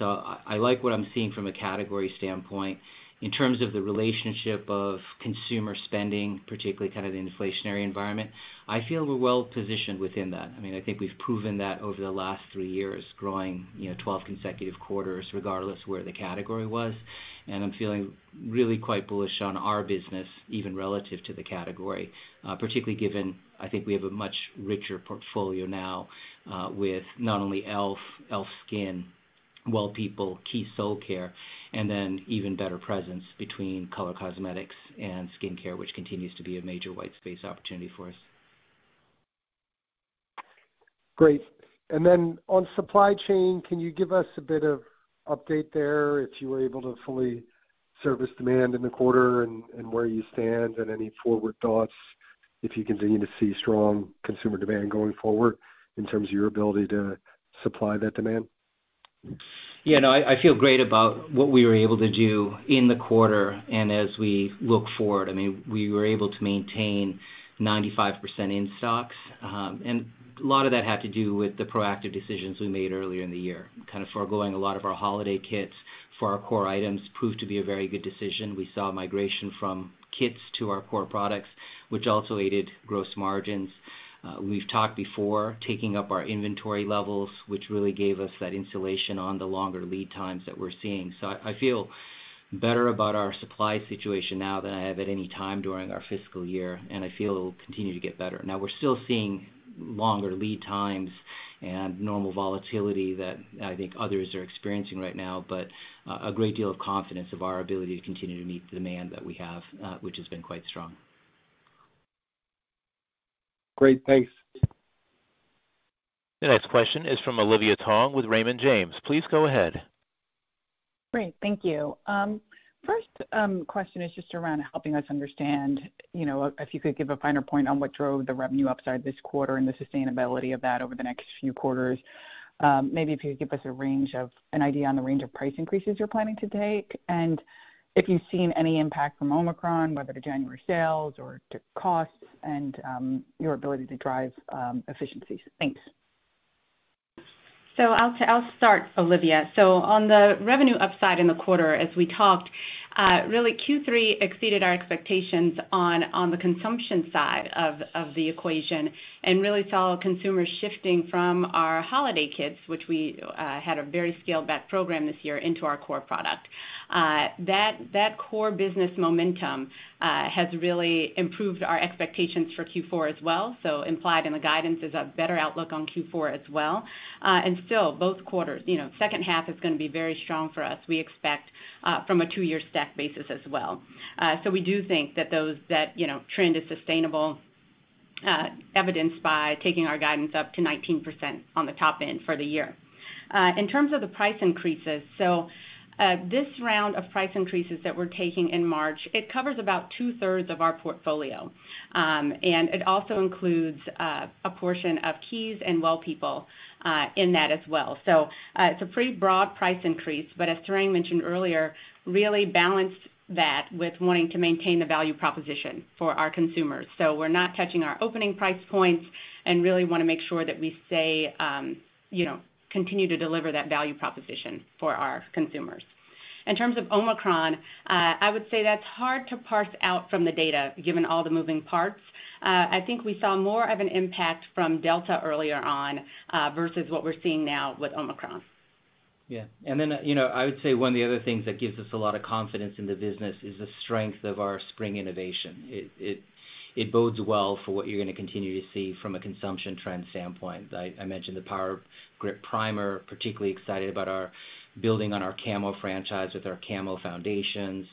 I like what I'm seeing from a category standpoint. In terms of the relationship of consumer spending, particularly kind of the inflationary environment, I feel we're well-positioned within that. I mean, I think we've proven that over the last three years, growing, you know, 12 consecutive quarters regardless of where the category was. I'm feeling really quite bullish on our business, even relative to the category, particularly given, I think, we have a much richer portfolio now, with not only e.l.f., e.l.f. SKIN, Well People, Keys Soulcare, and then even better presence between color cosmetics and skincare, which continues to be a major white space opportunity for us. Great. On supply chain, can you give us a bit of update there if you were able to fully service demand in the quarter and where you stand, and any forward thoughts if you continue to see strong consumer demand going forward in terms of your ability to supply that demand? Yeah, no, I feel great about what we were able to do in the quarter and as we look forward. I mean, we were able to maintain 95% in stock. A lot of that had to do with the proactive decisions we made earlier in the year. Kind of foregoing a lot of our holiday kits for our core items proved to be a very good decision. We saw migration from kits to our core products, which also aided gross margins. We've talked before taking up our inventory levels, which really gave us that insulation on the longer lead times that we're seeing. I feel better about our supply situation now than I have at any time during our fiscal year, and I feel it'll continue to get better. Now, we're still seeing longer lead times and normal volatility that I think others are experiencing right now, but a great deal of confidence in our ability to continue to meet the demand that we have, which has been quite strong. Great. Thanks. The next question is from Olivia Tong with Raymond James. Please go ahead. Great. Thank you. First, question is just around helping us understand, you know, if you could give a finer point on what drove the revenue upside this quarter and the sustainability of that over the next few quarters. Maybe if you could give us an idea on the range of price increases you're planning to take, and if you've seen any impact from Omicron, whether to January sales or to costs and your ability to drive efficiencies. Thanks. I'll start, Olivia. On the revenue upside in the quarter, as we talked, really Q3 exceeded our expectations on the consumption side of the equation, and really saw consumers shifting from our holiday kits, which we had a very scaled back program this year into our core product. That core business momentum has really improved our expectations for Q4 as well. Implied in the guidance is a better outlook on Q4 as well. And still, both quarters, you know, second half is gonna be very strong for us, we expect, from a two-year stack basis as well. We do think that that, you know, trend is sustainable, evidenced by taking our guidance up to 19% on the top end for the year. In terms of the price increases, this round of price increases that we're taking in March covers about two-thirds of our portfolio, and it also includes a portion of Keys and Well People in that as well. It's a pretty broad price increase, but as Tarang mentioned earlier, really balanced that with wanting to maintain the value proposition for our consumers. We're not touching our opening price points and really wanna make sure that we stay, you know, continue to deliver that value proposition for our consumers. In terms of Omicron, I would say that's hard to parse out from the data, given all the moving parts. I think we saw more of an impact from Delta earlier on, versus what we're seeing now with Omicron. Yeah. You know, I would say one of the other things that gives us a lot of confidence in the business is the strength of our spring innovation. It bodes well for what you're gonna continue to see from a consumption trend standpoint. I mentioned the Power Grip Primer, particularly excited about our building on our Camo franchise with our Camo foundations.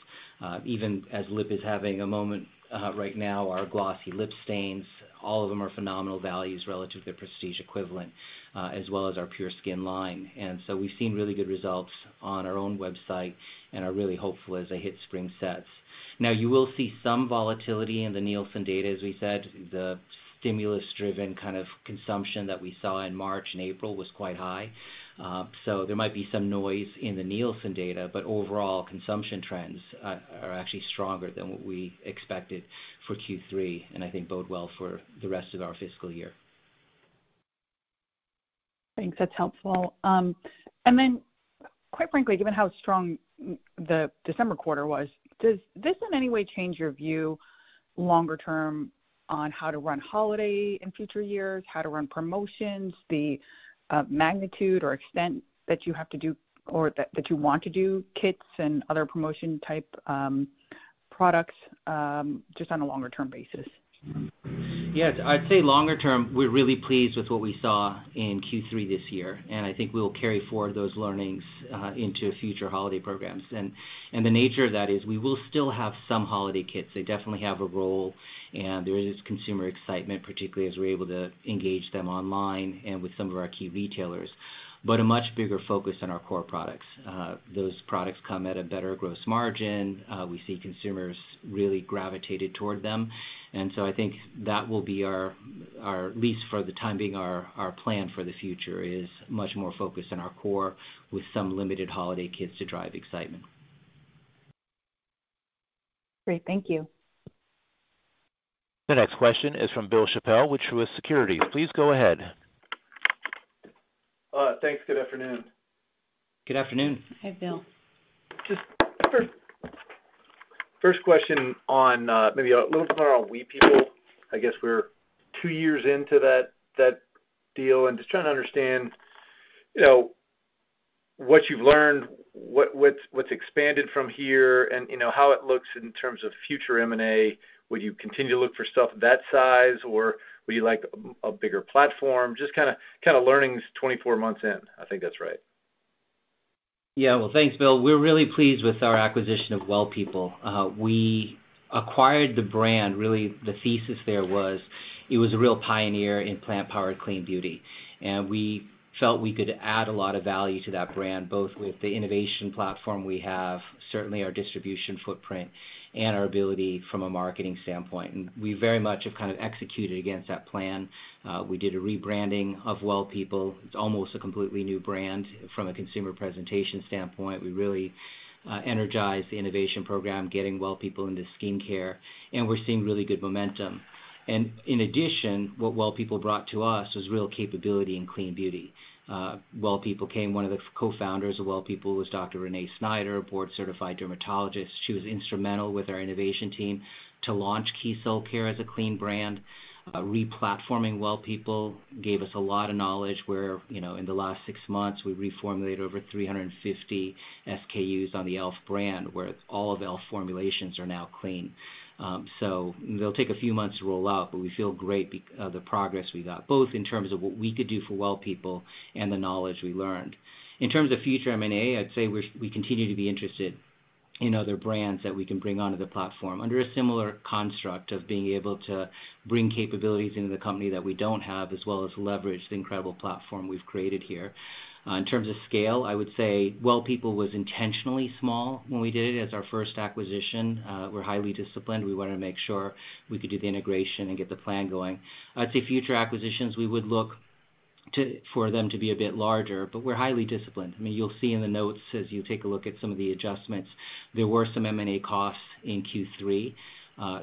Even as lip is having a moment right now, our Glossy Lip Stain, all of them are phenomenal values relative to their prestige equivalent, as well as our Pure Skin line. We've seen really good results on our own website and are really hopeful as the spring sets hit. Now, you will see some volatility in the Nielsen data, as we said. The stimulus-driven kind of consumption that we saw in March and April was quite high. There might be some noise in the Nielsen data, but overall, consumption trends are actually stronger than what we expected for Q3, and I think bode well for the rest of our fiscal year. Thanks. That's helpful. Quite frankly, given how strong the December quarter was, does this in any way change your view longer term on how to run holiday in future years, how to run promotions, the magnitude or extent that you have to do or that you want to do, kits and other promotion type products, just on a longer term basis? Yes. I'd say longer term, we're really pleased with what we saw in Q3 this year, and I think we'll carry forward those learnings into future holiday programs. The nature of that is we will still have some holiday kits. They definitely have a role, and there is consumer excitement, particularly as we're able to engage them online and with some of our key retailers, but a much bigger focus on our core products. Those products come at a better gross margin. We see consumers really gravitated toward them, and so I think that will be our at least for the time being, our plan for the future is much more focused on our core with some limited holiday kits to drive excitement. Great. Thank you. The next question is from Bill Chappell with Truist Securities. Please go ahead. Thanks. Good afternoon. Good afternoon. Hi, Bill. First question on maybe a little more on Well People. I guess we're two years into that deal, and just trying to understand, you know, what you've learned, what's expanded from here and, you know, how it looks in terms of future M&A. Would you continue to look for stuff that size or would you like a bigger platform? Just kinda learnings 24 months in. I think that's right. Yeah. Well, thanks, Bill. We're really pleased with our acquisition of Well People. We acquired the brand, really, the thesis there was, it was a real pioneer in plant-powered clean beauty, and we felt we could add a lot of value to that brand, both with the innovation platform we have, certainly our distribution footprint, and our ability from a marketing standpoint. We very much have kind of executed against that plan. We did a rebranding of Well People. It's almost a completely new brand from a consumer presentation standpoint. We really energized the innovation program, getting Well People into skincare, and we're seeing really good momentum. In addition, what Well People brought to us was real capability in clean beauty. Well People came, one of the co-founders of Well People was Dr. Renée Snyder, a board-certified dermatologist. She was instrumental with our innovation team to launch Keys Soulcare as a clean brand. Replatforming Well People gave us a lot of knowledge where, you know, in the last six months, we reformulated over 350 SKUs on the e.l.f. brand, where all of e.l.f. formulations are now clean. It'll take a few months to roll out, but we feel great about the progress we got, both in terms of what we could do for Well People and the knowledge we learned. In terms of future M&A, I'd say we continue to be interested in other brands that we can bring onto the platform under a similar construct of being able to bring capabilities into the company that we don't have, as well as leverage the incredible platform we've created here. In terms of scale, I would say Well People was intentionally small when we did it as our first acquisition. We're highly disciplined. We wanted to make sure we could do the integration and get the plan going. I'd say future acquisitions, we would look for them to be a bit larger, but we're highly disciplined. I mean, you'll see in the notes as you take a look at some of the adjustments, there were some M&A costs in Q3.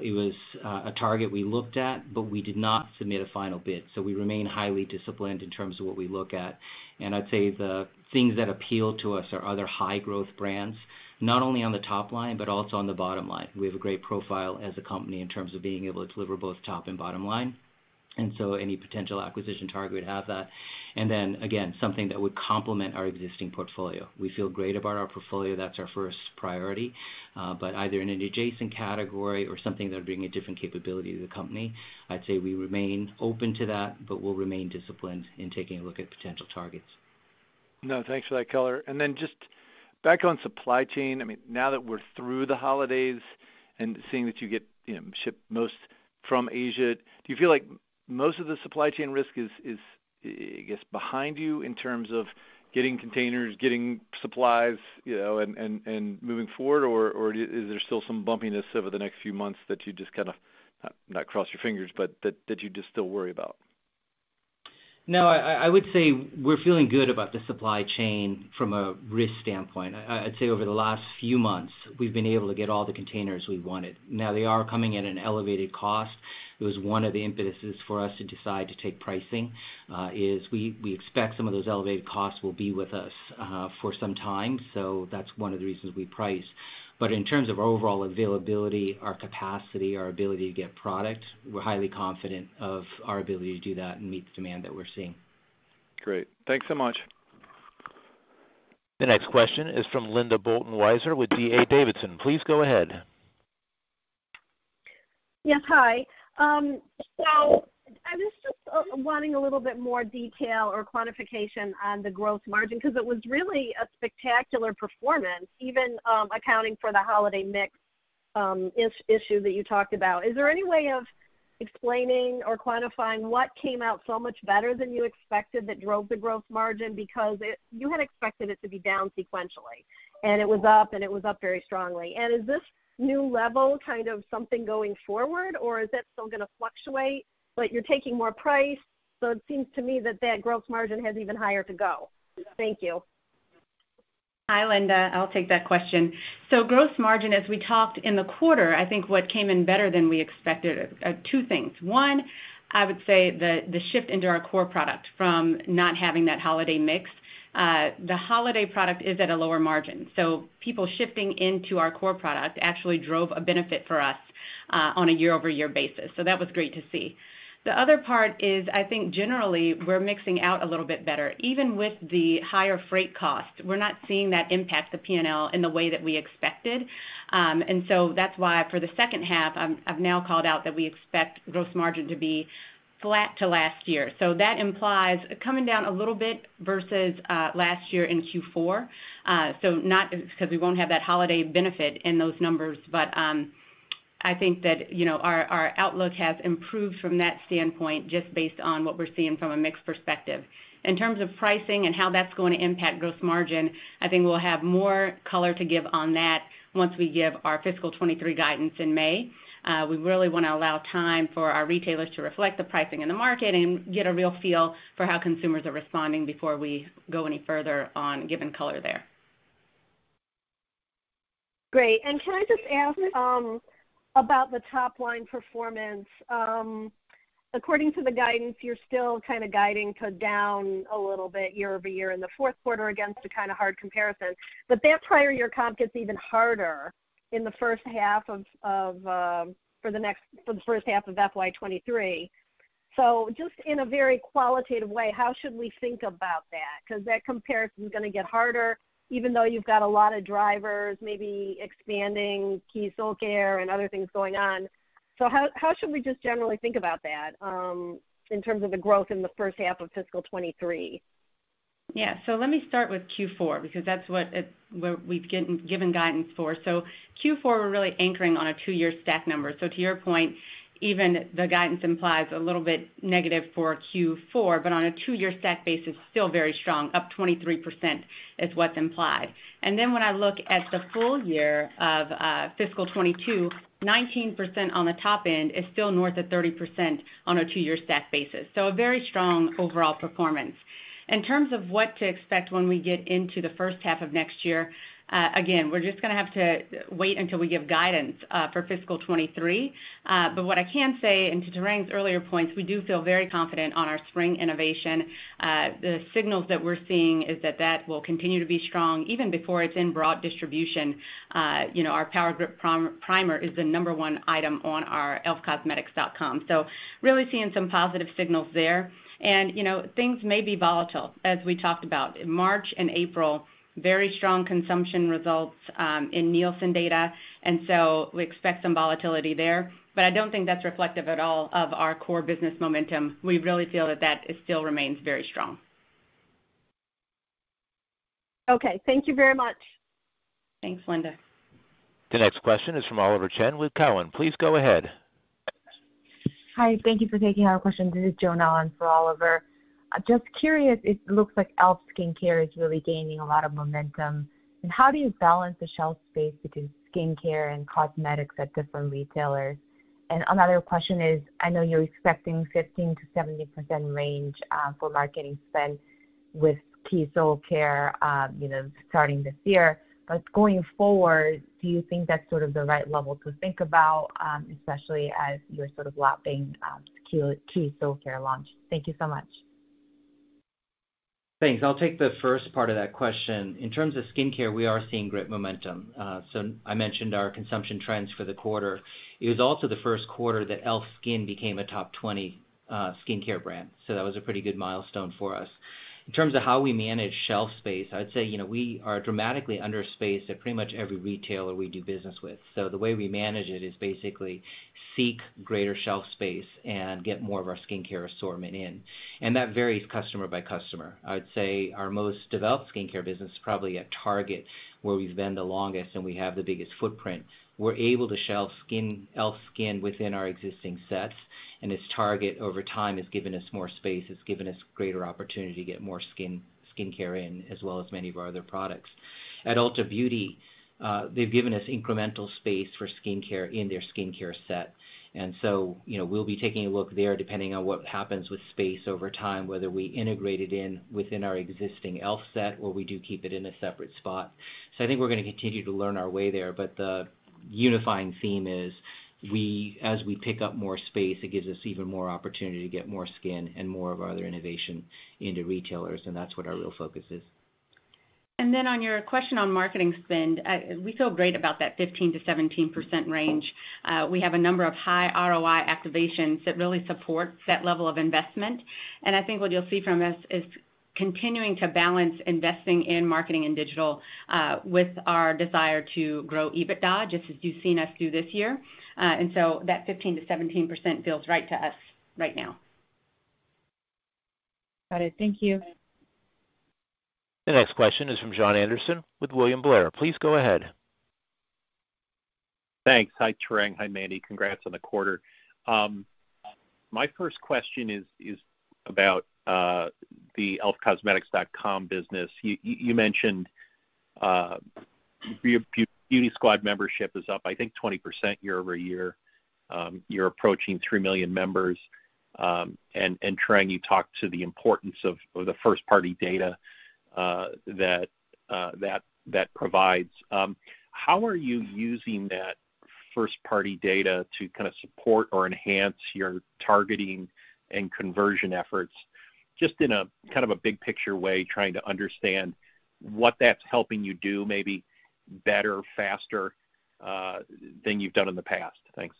It was a target we looked at, but we did not submit a final bid. We remain highly disciplined in terms of what we look at. I'd say the things that appeal to us are other high-growth brands, not only on the top line, but also on the bottom line. We have a great profile as a company in terms of being able to deliver both top and bottom line. Any potential acquisition target would have that. Something that would complement our existing portfolio. We feel great about our portfolio. That's our first priority. Either in an adjacent category or something that would bring a different capability to the company, I'd say we remain open to that, but we'll remain disciplined in taking a look at potential targets. No, thanks for that color. Then just back on supply chain. I mean, now that we're through the holidays and seeing that you get, you know, ship most from Asia, do you feel like most of the supply chain risk is, I guess, behind you in terms of getting containers, getting supplies, you know, and moving forward? Or is there still some bumpiness over the next few months that you just kind of not cross your fingers, but that you just still worry about? No, I would say we're feeling good about the supply chain from a risk standpoint. I'd say over the last few months, we've been able to get all the containers we wanted. Now they are coming at an elevated cost. It was one of the impetuses for us to decide to take pricing, is we expect some of those elevated costs will be with us for some time. That's one of the reasons we price. In terms of our overall availability, our capacity, our ability to get product, we're highly confident of our ability to do that and meet the demand that we're seeing. Great. Thanks so much. The next question is from Linda Bolton-Weiser with D.A. Davidson. Please go ahead. Yes. Hi. So I was just wanting a little bit more detail or quantification on the gross margin because it was really a spectacular performance, even accounting for the holiday mix issue that you talked about. Is there any way of explaining or quantifying what came out so much better than you expected that drove the gross margin because you had expected it to be down sequentially, and it was up, and it was up very strongly. Is this new level kind of something going forward or is that still gonna fluctuate? You're taking more price, so it seems to me that that gross margin has even higher to go. Thank you. Hi, Linda. I'll take that question. Growth margin, as we talked in the quarter, I think what came in better than we expected are two things. One, I would say the shift into our core product from not having that holiday mix. The holiday product is at a lower margin. People shifting into our core product actually drove a benefit for us on a year-over-year basis. That was great to see. The other part is, I think generally, we're mixing out a little bit better. Even with the higher freight costs, we're not seeing that impact the P&L in the way that we expected. That's why for the second half, I've now called out that we expect gross margin to be flat to last year. That implies coming down a little bit versus last year in Q4 'Cause we won't have that holiday benefit in those numbers. I think that, you know, our outlook has improved from that standpoint just based on what we're seeing from a mix perspective. In terms of pricing and how that's going to impact gross margin, I think we'll have more color to give on that once we give our fiscal 2023 guidance in May. We really want to allow time for our retailers to reflect the pricing in the market and get a real feel for how consumers are responding before we go any further on giving color there. Great. Can I just ask about the top line performance? According to the guidance, you're still kind of guiding to down a little bit year-over-year in the Q4 against a kind of hard comparison. That prior year comp gets even harder in the first half of FY 2023. Just in a very qualitative way, how should we think about that? Because that comparison is gonna get harder, even though you've got a lot of drivers maybe expanding key skincare and other things going on. How should we just generally think about that in terms of the growth in the first half of fiscal 2023? Yeah. Let me start with Q4 because that's what we've given guidance for. Q4, we're really anchoring on a two-year stack number. To your point, even the guidance implies a little bit negative for Q4, but on a two-year stack base is still very strong, up 23% is what's implied. When I look at the full year of fiscal 2022, 19% on the top end is still north of 30% on a two-year stack basis. A very strong overall performance. In terms of what to expect when we get into the H1 of next year, again, we're just gonna have to wait until we give guidance for fiscal 2023. What I can say, and to Tarang's earlier points, we do feel very confident on our spring innovation. The signals that we're seeing is that will continue to be strong even before it's in broad distribution. You know, our Power Grip Primer is the number one item on our elfcosmetics.com. So really seeing some positive signals there. You know, things may be volatile, as we talked about. March and April, very strong consumption results, in Nielsen data, so we expect some volatility there. I don't think that's reflective at all of our core business momentum. We really feel that still remains very strong. Okay, thank you very much. Thanks, Linda. The next question is from Oliver Chen with Cowen. Please go ahead. Hi, thank you for taking our question. This is Jonna Allen for Oliver. I'm just curious, it looks like e.l.f. SKIN is really gaining a lot of momentum. How do you balance the shelf space between skincare and cosmetics at different retailers? Another question is, I know you're expecting 15%-17% range for marketing spend with Keys Soulcare, you know, starting this year. Going forward, do you think that's sort of the right level to think about, especially as you're sort of lapping Keys Soulcare launch? Thank you so much. Thanks. I'll take the first part of that question. In terms of skincare, we are seeing great momentum. I mentioned our consumption trends for the quarter. It was also the first quarter that e.l.f. SKIN became a top 20 skincare brand. That was a pretty good milestone for us. In terms of how we manage shelf space, I'd say, you know, we are dramatically under-spaced at pretty much every retailer we do business with. The way we manage it is basically seek greater shelf space and get more of our skincare assortment in. That varies customer by customer. I would say our most developed skincare business is probably at Target, where we've been the longest and we have the biggest footprint. We're able to shelf e.l.f. SKIN. Skin within our existing sets, and as Target over time has given us more space, has given us greater opportunity to get more skin-skincare in, as well as many of our other products. At Ulta Beauty, they've given us incremental space for skincare in their skincare set. You know, we'll be taking a look there depending on what happens with space over time, whether we integrate it in within our existing e.l.f. set or we do keep it in a separate spot. I think we're gonna continue to learn our way there, but the unifying theme is as we pick up more space, it gives us even more opportunity to get more skin and more of our other innovation into retailers, and that's what our real focus is. On your question on marketing spend, we feel great about that 15%-17% range. We have a number of high ROI activations that really support that level of investment. I think what you'll see from us is continuing to balance investing in marketing and digital, with our desire to grow EBITDA, just as you've seen us do this year. That 15%-17% feels right to us right now. Got it. Thank you. The next question is from Jon Andersen with William Blair. Please go ahead. Thanks. Hi, Tarang. Hi, Mandy. Congrats on the quarter. My first question is about the elfcosmetics.com business. You mentioned Beauty Squad membership is up, I think, 20% year-over-year. You're approaching three million members, and Tarang, you talked about the importance of the first-party data that provides. How are you using that first-party data to kind of support or enhance your targeting and conversion efforts, just in a kind of a big picture way, trying to understand what that's helping you do maybe better, faster than you've done in the past? Thanks.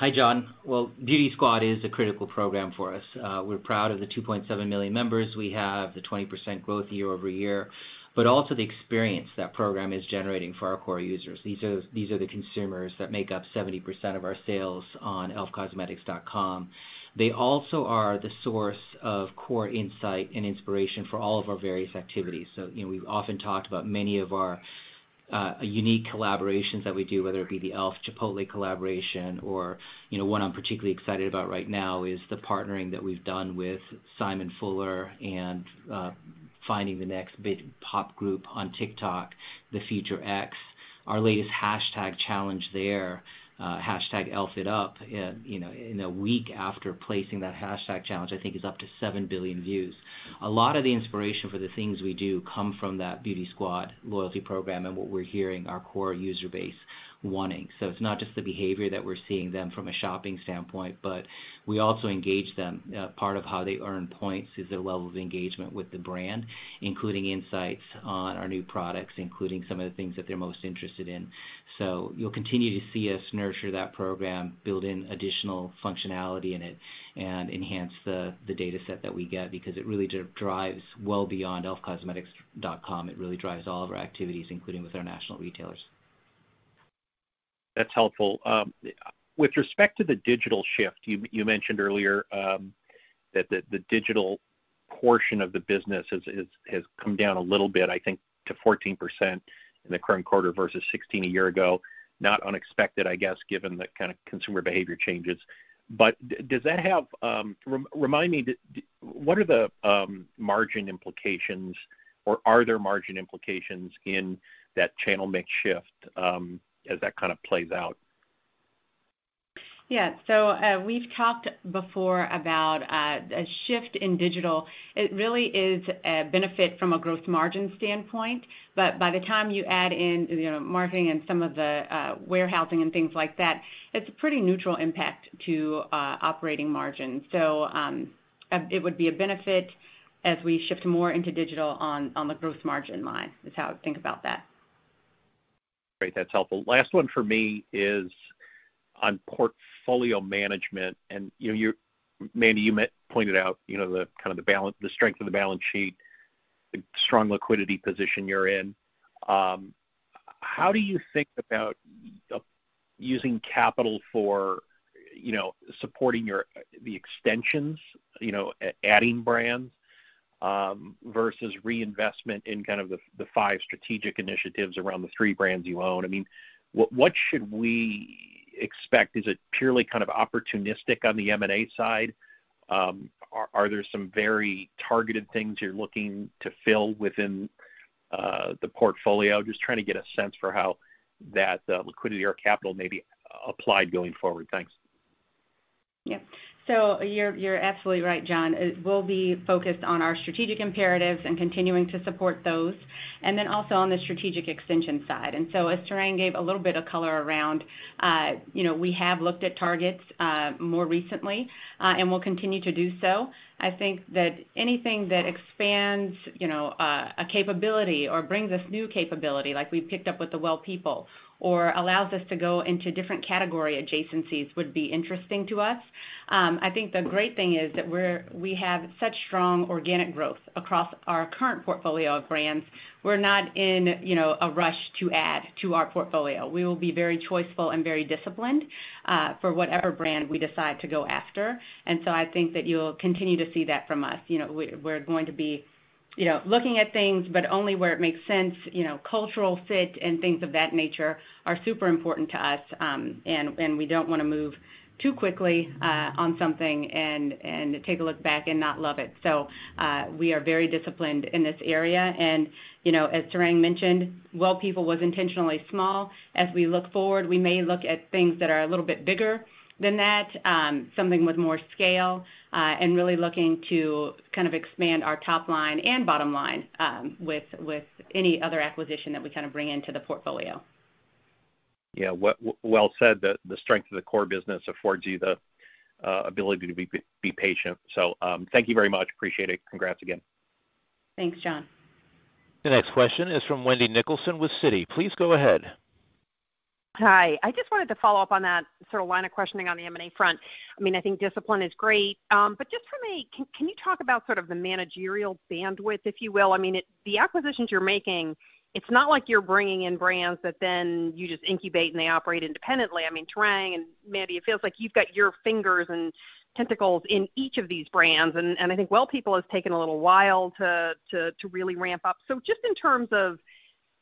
Hi, John. Well, Beauty Squad is a critical program for us. We're proud of the 2.7 million members we have, the 20% growth year-over-year, but also the experience that program is generating for our core users. These are the consumers that make up 70% of our sales on elfcosmetics.com. They also are the source of core insight and inspiration for all of our various activities. You know, we've often talked about many of our unique collaborations that we do, whether it be the e.l.f.-Chipotle collaboration or, you know, one I'm particularly excited about right now is the partnering that we've done with Simon Fuller and finding the next big pop group on TikTok, The Future X. Our latest hashtag challenge there, hashtag elfitup, you know, in a week after placing that hashtag challenge, I think is up to 7 billion views. A lot of the inspiration for the things we do come from that Beauty Squad loyalty program and what we're hearing our core user base wanting. It's not just the behavior that we're seeing then from a shopping standpoint, but we also engage them. Part of how they earn points is their level of engagement with the brand, including insights on our new products, including some of the things that they're most interested in. You'll continue to see us nurture that program, build in additional functionality in it, and enhance the data set that we get because it really drives well beyond elfcosmetics.com. It really drives all of our activities, including with our national retailers. That's helpful. With respect to the digital shift, you mentioned earlier that the digital portion of the business has come down a little bit, I think, to 14% in the current quarter versus 16% a year ago. Not unexpected, I guess, given the kind of consumer behavior changes. Does that have remind me, what are the margin implications, or are there margin implications in that channel mix shift as that kind of plays out? Yeah. We've talked before about a shift in digital. It really is a benefit from a growth margin standpoint. But by the time you add in, you know, marketing and some of the warehousing and things like that, it's a pretty neutral impact to operating margin. It would be a benefit as we shift more into digital on the growth margin line, is how I would think about that. Great. That's helpful. Last one for me is on portfolio management, and Mandy, you pointed out, you know, the strength of the balance sheet, the strong liquidity position you're in. How do you think about using capital for, you know, supporting the extensions, you know, adding brands? Versus reinvestment in the five strategic initiatives around the three brands you own. I mean, what should we expect? Is it purely opportunistic on the M&A side? Are there some very targeted things you're looking to fill within the portfolio? Just trying to get a sense for how that liquidity or capital may be applied going forward. Thanks. Yeah. You're absolutely right, Jon. It will be focused on our strategic imperatives and continuing to support those, and then also on the strategic extension side. As Tarang gave a little bit of color around, you know, we have looked at targets more recently, and we'll continue to do so. I think that anything that expands, you know, a capability or brings us new capability, like we've picked up with Well People, or allows us to go into different category adjacencies, would be interesting to us. I think the great thing is that we have such strong organic growth across our current portfolio of brands. We're not in, you know, a rush to add to our portfolio. We will be very choiceful and very disciplined for whatever brand we decide to go after. I think that you'll continue to see that from us. You know, we're going to be, you know, looking at things, but only where it makes sense. You know, cultural fit and things of that nature are super important to us, and we don't wanna move too quickly, on something and take a look back and not love it. We are very disciplined in this area and, you know, as Tarang mentioned, Well People was intentionally small. As we look forward, we may look at things that are a little bit bigger than that, something with more scale, and really looking to kind of expand our top line and bottom line, with any other acquisition that we kind of bring into the portfolio. Yeah, well said. The strength of the core business affords you the ability to be patient. Thank you very much. Appreciate it. Congrats again. Thanks, Jon. The next question is from Wendy Nicholson with Citi. Please go ahead. Hi. I just wanted to follow up on that sort of line of questioning on the M&A front. I mean, I think discipline is great. But just for me, can you talk about sort of the managerial bandwidth, if you will? I mean, it's the acquisitions you're making. It's not like you're bringing in brands that then you just incubate, and they operate independently. I mean, Tarang and Mandy, it feels like you've got your fingers and tentacles in each of these brands. And I think Well People has taken a little while to really ramp up. So just in terms of,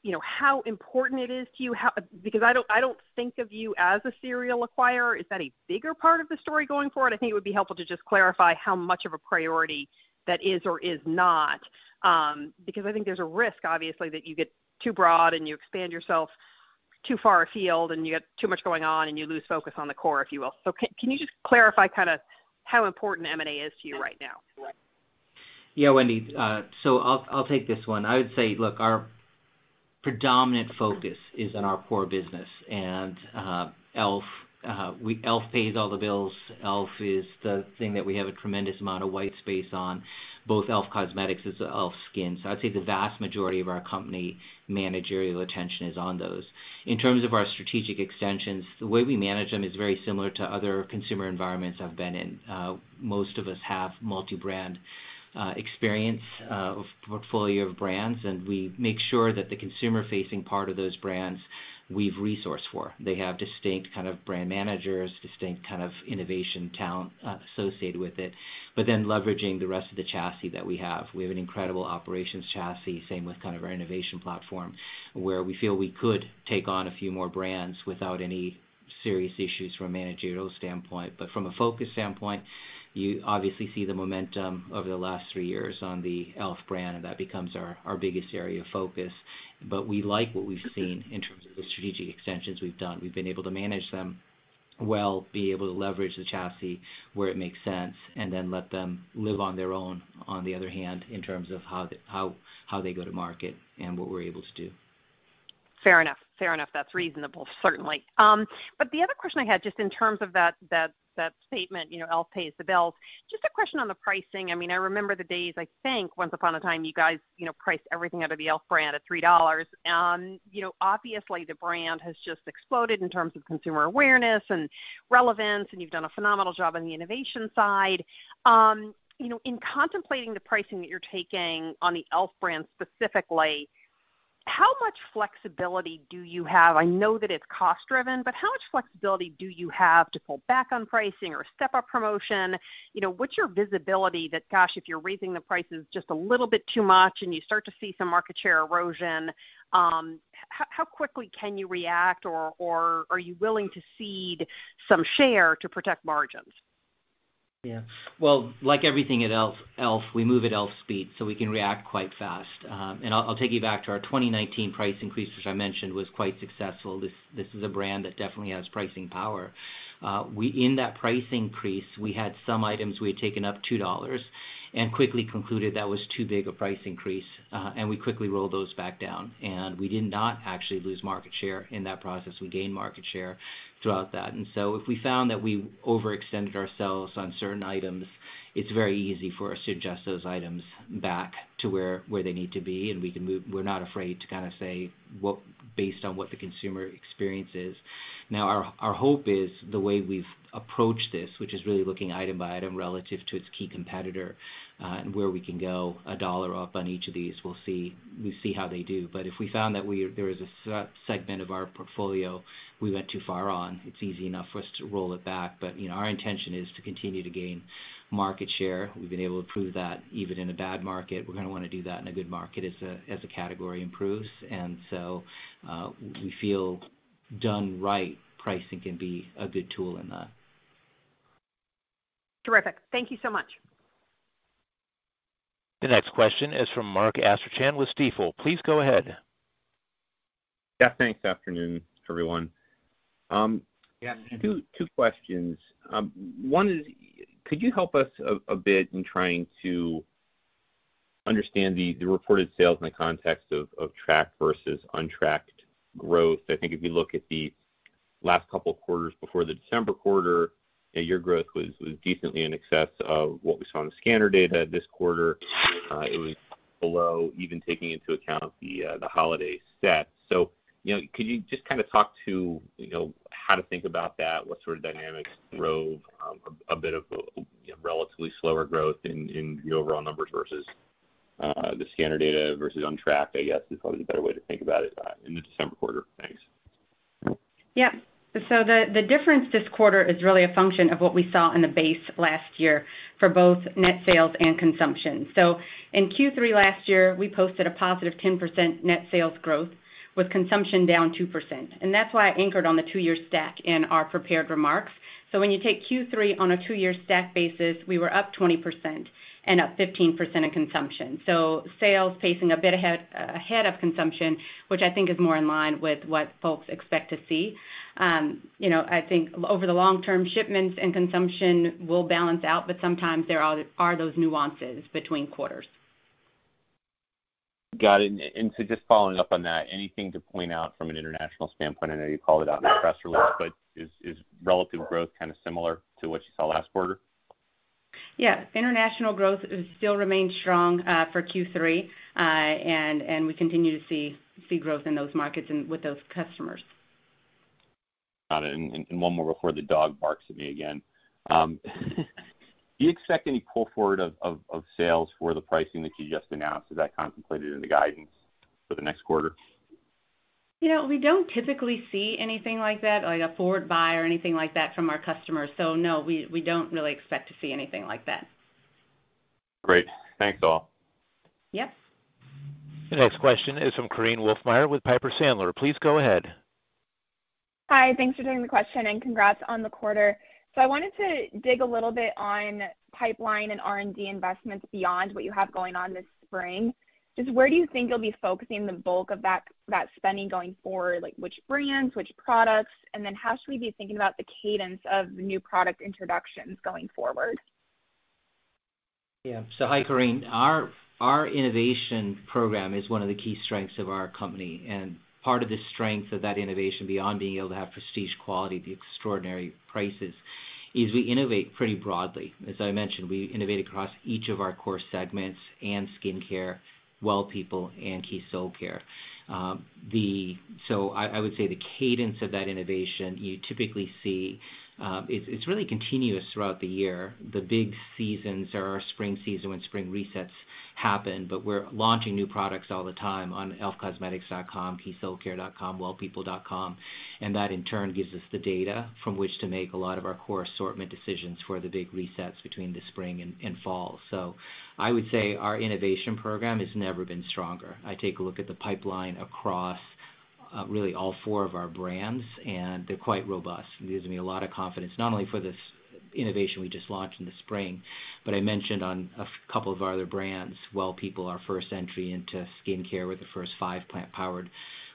you know, how important it is to you, because I don't think of you as a serial acquirer. Is that a bigger part of the story going forward? I think it would be helpful to just clarify how much of a priority that is or is not, because I think there's a risk, obviously, that you get too broad and you expand yourself too far afield, and you got too much going on, and you lose focus on the core, if you will. Can you just clarify kinda how important M&A is to you right now? Yeah, Wendy. I'll take this one. I would say, look, our predominant focus is on our core business, e.l.f. pays all the bills. e.l.f. is the thing that we have a tremendous amount of white space on, both e.l.f. Cosmetics as e.l.f. SKIN. I'd say the vast majority of our company managerial attention is on those. In terms of our strategic extensions, the way we manage them is very similar to other consumer environments I've been in. Most of us have multi-brand experience of portfolio of brands, and we make sure that the consumer-facing part of those brands we've resourced for. They have distinct kind of brand managers, distinct kind of innovation talent associated with it, but then leveraging the rest of the chassis that we have. We have an incredible operations chassis, same with kind of our innovation platform, where we feel we could take on a few more brands without any serious issues from a managerial standpoint. From a focus standpoint, you obviously see the momentum over the last three years on the e.l.f. brand, and that becomes our biggest area of focus. We like what we've seen in terms of the strategic extensions we've done. We've been able to manage them well, be able to leverage the chassis where it makes sense, and then let them live on their own, on the other hand, in terms of how they go to market and what we're able to do. Fair enough. Fair enough. That's reasonable, certainly. But the other question I had, just in terms of that statement, you know, e.l.f. pays the bills, just a question on the pricing. I mean, I remember the days, I think, once upon a time, you guys, you know, priced everything out of the e.l.f. brand at $3. You know, obviously, the brand has just exploded in terms of consumer awareness and relevance, and you've done a phenomenal job on the innovation side. You know, in contemplating the pricing that you're taking on the e.l.f. brand specifically, how much flexibility do you have? I know that it's cost-driven, but how much flexibility do you have to pull back on pricing or step up promotion? You know, what's your visibility that, gosh, if you're raising the prices just a little bit too much and you start to see some market share erosion, how quickly can you react or are you willing to cede some share to protect margins? Yeah. Well, like everything at e.l.f., we move at e.l.f. speed, so we can react quite fast. I'll take you back to our 2019 price increase, which I mentioned was quite successful. This is a brand that definitely has pricing power. In that price increase, we had some items we had taken up $2 and quickly concluded that was too big a price increase, and we quickly rolled those back down, and we did not actually lose market share in that process. We gained market share throughout that. If we found that we overextended ourselves on certain items, it's very easy for us to adjust those items back to where they need to be, and we can move. We're not afraid to kinda say based on what the consumer experience is. Now, our hope is the way we've approached this, which is really looking item by item relative to its key competitor, and where we can go a dollar up on each of these, we see how they do. If we found that there is a segment of our portfolio we went too far on, it's easy enough for us to roll it back. You know, our intention is to continue to gain market share. We've been able to prove that even in a bad market. We're gonna wanna do that in a good market as the category improves. We feel done right, pricing can be a good tool in that. Terrific. Thank you so much. The next question is from Mark Astrachan with Stifel. Please go ahead. Yeah, thanks. Good afternoon, everyone. Yeah. Two questions. One is, could you help us a bit in trying to understand the reported sales in the context of tracked versus untracked growth? I think if you look at the last couple quarters before the December quarter, your growth was decently in excess of what we saw on the scanner data this quarter. It was below even taking into account the holiday set. You know, could you just kind of talk to, you know, how to think about that? What sort of dynamics drove a bit of, you know, relatively slower growth in the overall numbers versus the scanner data versus untracked, I guess, is probably a better way to think about it, in the December quarter. Thanks. Yep. The difference this quarter is really a function of what we saw in the base last year for both net sales and consumption. In Q3 last year, we posted a positive 10% net sales growth, with consumption down 2%, and that's why I anchored on the two-year stack in our prepared remarks. When you take Q3 on a two-year stack basis, we were up 20% and up 15% in consumption. Sales pacing a bit ahead of consumption, which I think is more in line with what folks expect to see. You know, I think over the long term, shipments and consumption will balance out, but sometimes there are those nuances between quarters. Got it. Just following up on that, anything to point out from an international standpoint? I know you called it out in your press release, but is relative growth kind of similar to what you saw last quarter? Yeah. International growth still remains strong for Q3. We continue to see growth in those markets and with those customers. Got it. One more before the dog barks at me again. Do you expect any pull forward of sales for the pricing that you just announced? Is that contemplated in the guidance for the next quarter? You know, we don't typically see anything like that, like a forward buy or anything like that from our customers. No, we don't really expect to see anything like that. Great. Thanks, all. Yep. The next question is from Korinne Wolfmeyer with Piper Sandler. Please go ahead. Hi. Thanks for taking the question, and congrats on the quarter. I wanted to dig a little bit on pipeline and R&D investments beyond what you have going on this spring. Just where do you think you'll be focusing the bulk of that spending going forward? Like which brands, which products? Then how should we be thinking about the cadence of the new product introductions going forward? Yeah. Hi, Corinne. Our innovation program is one of the key strengths of our company, and part of the strength of that innovation, beyond being able to have prestige quality at the extraordinary prices, is we innovate pretty broadly. As I mentioned, we innovate across each of our core segments and skincare, Well People and Keys Soulcare. I would say the cadence of that innovation you typically see, it's really continuous throughout the year. The big seasons are our spring season when spring resets happen, but we're launching new products all the time on elfcosmetics.com, keyssoulcare.com, wellpeople.com, and that in turn gives us the data from which to make a lot of our core assortment decisions for the big resets between the spring and fall. I would say our innovation program has never been stronger. I take a look at the pipeline across, really all four of our brands, and they're quite robust. It gives me a lot of confidence, not only for this innovation we just launched in the spring, but I mentioned on a couple of our other brands, Well People, our first entry into skincare with the first five plant-powered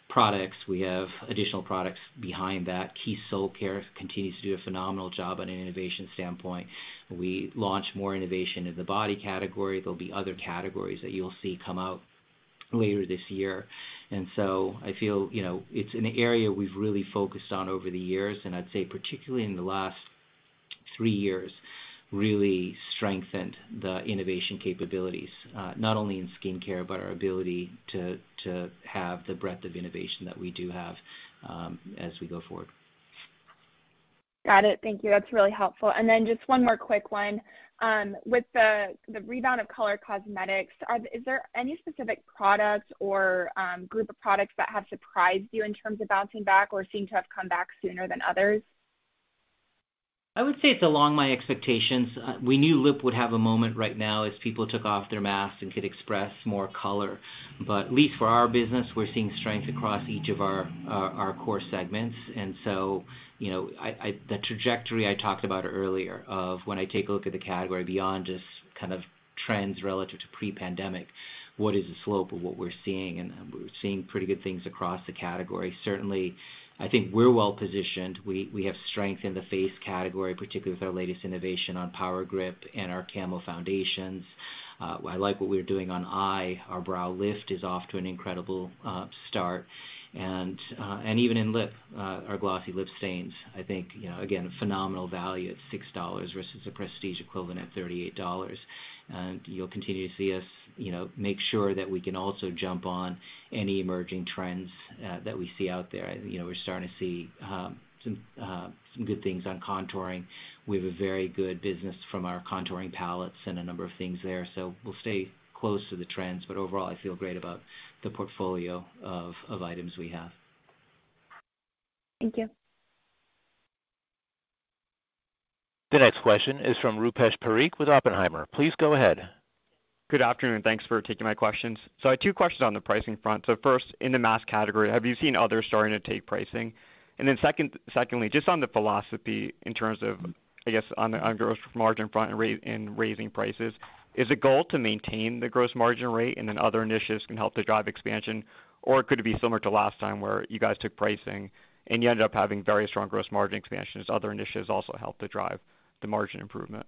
products. We have additional products behind that. Keys Soulcare continues to do a phenomenal job on an innovation standpoint. We launch more innovation in the body category. There'll be other categories that you'll see come out later this year. I feel, you know, it's an area we've really focused on over the years, and I'd say particularly in the last three years, really strengthened the innovation capabilities, not only in skincare, but our ability to have the breadth of innovation that we do have, as we go forward. Got it. Thank you. That's really helpful. Then just one more quick one. With the rebound of color cosmetics, is there any specific products or group of products that have surprised you in terms of bouncing back or seem to have come back sooner than others? I would say it's along my expectations. We knew lip would have a moment right now as people took off their masks and could express more color. At least for our business, we're seeing strength across each of our core segments, and so, you know, the trajectory I talked about earlier of when I take a look at the category beyond just kind of trends relative to pre-pandemic, what is the slope of what we're seeing, and we're seeing pretty good things across the category. Certainly, I think we're well positioned. We have strength in the face category, particularly with our latest innovation on Power Grip and our Camo foundations. I like what we're doing on eye. Our Brow Lift is off to an incredible start. Even in lip, our Glossy Lip Stain, I think, you know, again, phenomenal value at $6 versus a prestige equivalent at $38. You'll continue to see us, you know, make sure that we can also jump on any emerging trends that we see out there. You know, we're starting to see some good things on contouring. We have a very good business from our contouring palettes and a number of things there. We'll stay close to the trends, but overall, I feel great about the portfolio of items we have. Thank you. The next question is from Rupesh Parikh with Oppenheimer. Please go ahead. Good afternoon. Thanks for taking my questions. I have two questions on the pricing front. First, in the mass category, have you seen others starting to take pricing? Secondly, just on the philosophy in terms of, I guess, on the gross margin front and raising prices, is the goal to maintain the gross margin rate and then other initiatives can help to drive expansion? Or could it be similar to last time where you guys took pricing and you ended up having very strong gross margin expansion as other initiatives also helped to drive the margin improvement?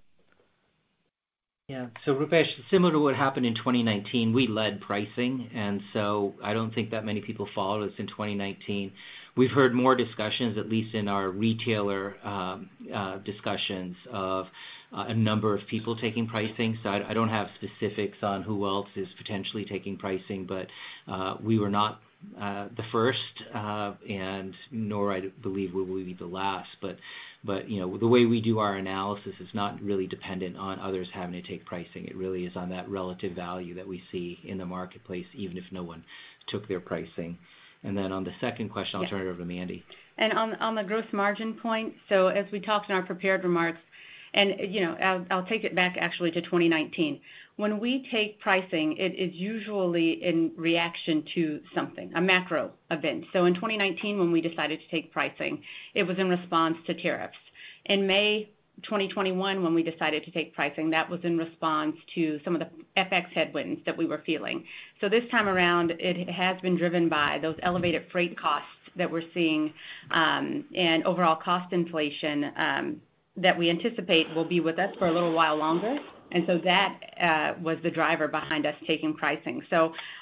Yeah. Rupesh, similar to what happened in 2019, we led pricing, and I don't think that many people followed us in 2019. We've heard more discussions, at least in our retailer, discussions of a number of people taking pricing. I don't have specifics on who else is potentially taking pricing, but we were not the first, and nor I believe we will be the last. You know, the way we do our analysis is not really dependent on others having to take pricing. It really is on that relative value that we see in the marketplace, even if no one took their pricing. Then on the second question, I'll turn it over to Mandy. On the gross margin point, so as we talked in our prepared remarks, and you know, I'll take it back actually to 2019. When we take pricing, it is usually in reaction to something, a macro event. In 2019, when we decided to take pricing, that was in response to tariffs. In May 2021, when we decided to take pricing, that was in response to some of the FX headwinds that we were feeling. This time around, it has been driven by those elevated freight costs that we're seeing, and overall cost inflation that we anticipate will be with us for a little while longer. That was the driver behind us taking pricing.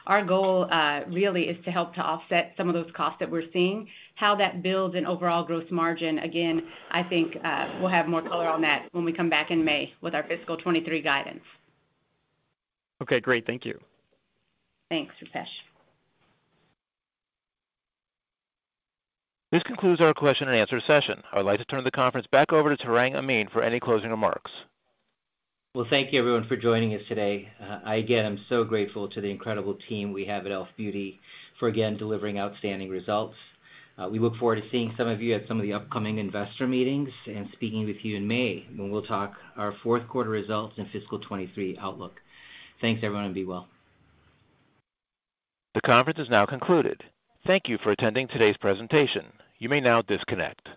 Our goal really is to help to offset some of those costs that we're seeing. How that builds in overall growth margin, again, I think, we'll have more color on that when we come back in May with our fiscal 2023 guidance. Okay, great. Thank you. Thanks, Rupesh. This concludes our question and answer session. I would like to turn the conference back over to Tarang Amin for any closing remarks. Well, thank you everyone for joining us today. Again, I'm so grateful to the incredible team we have at e.l.f. Beauty for again delivering outstanding results. We look forward to seeing some of you at some of the upcoming investor meetings and speaking with you in May when we'll talk our Q4 results and fiscal 2023 outlook. Thanks, everyone, and be well. The conference is now concluded. Thank you for attending today's presentation. You may now disconnect.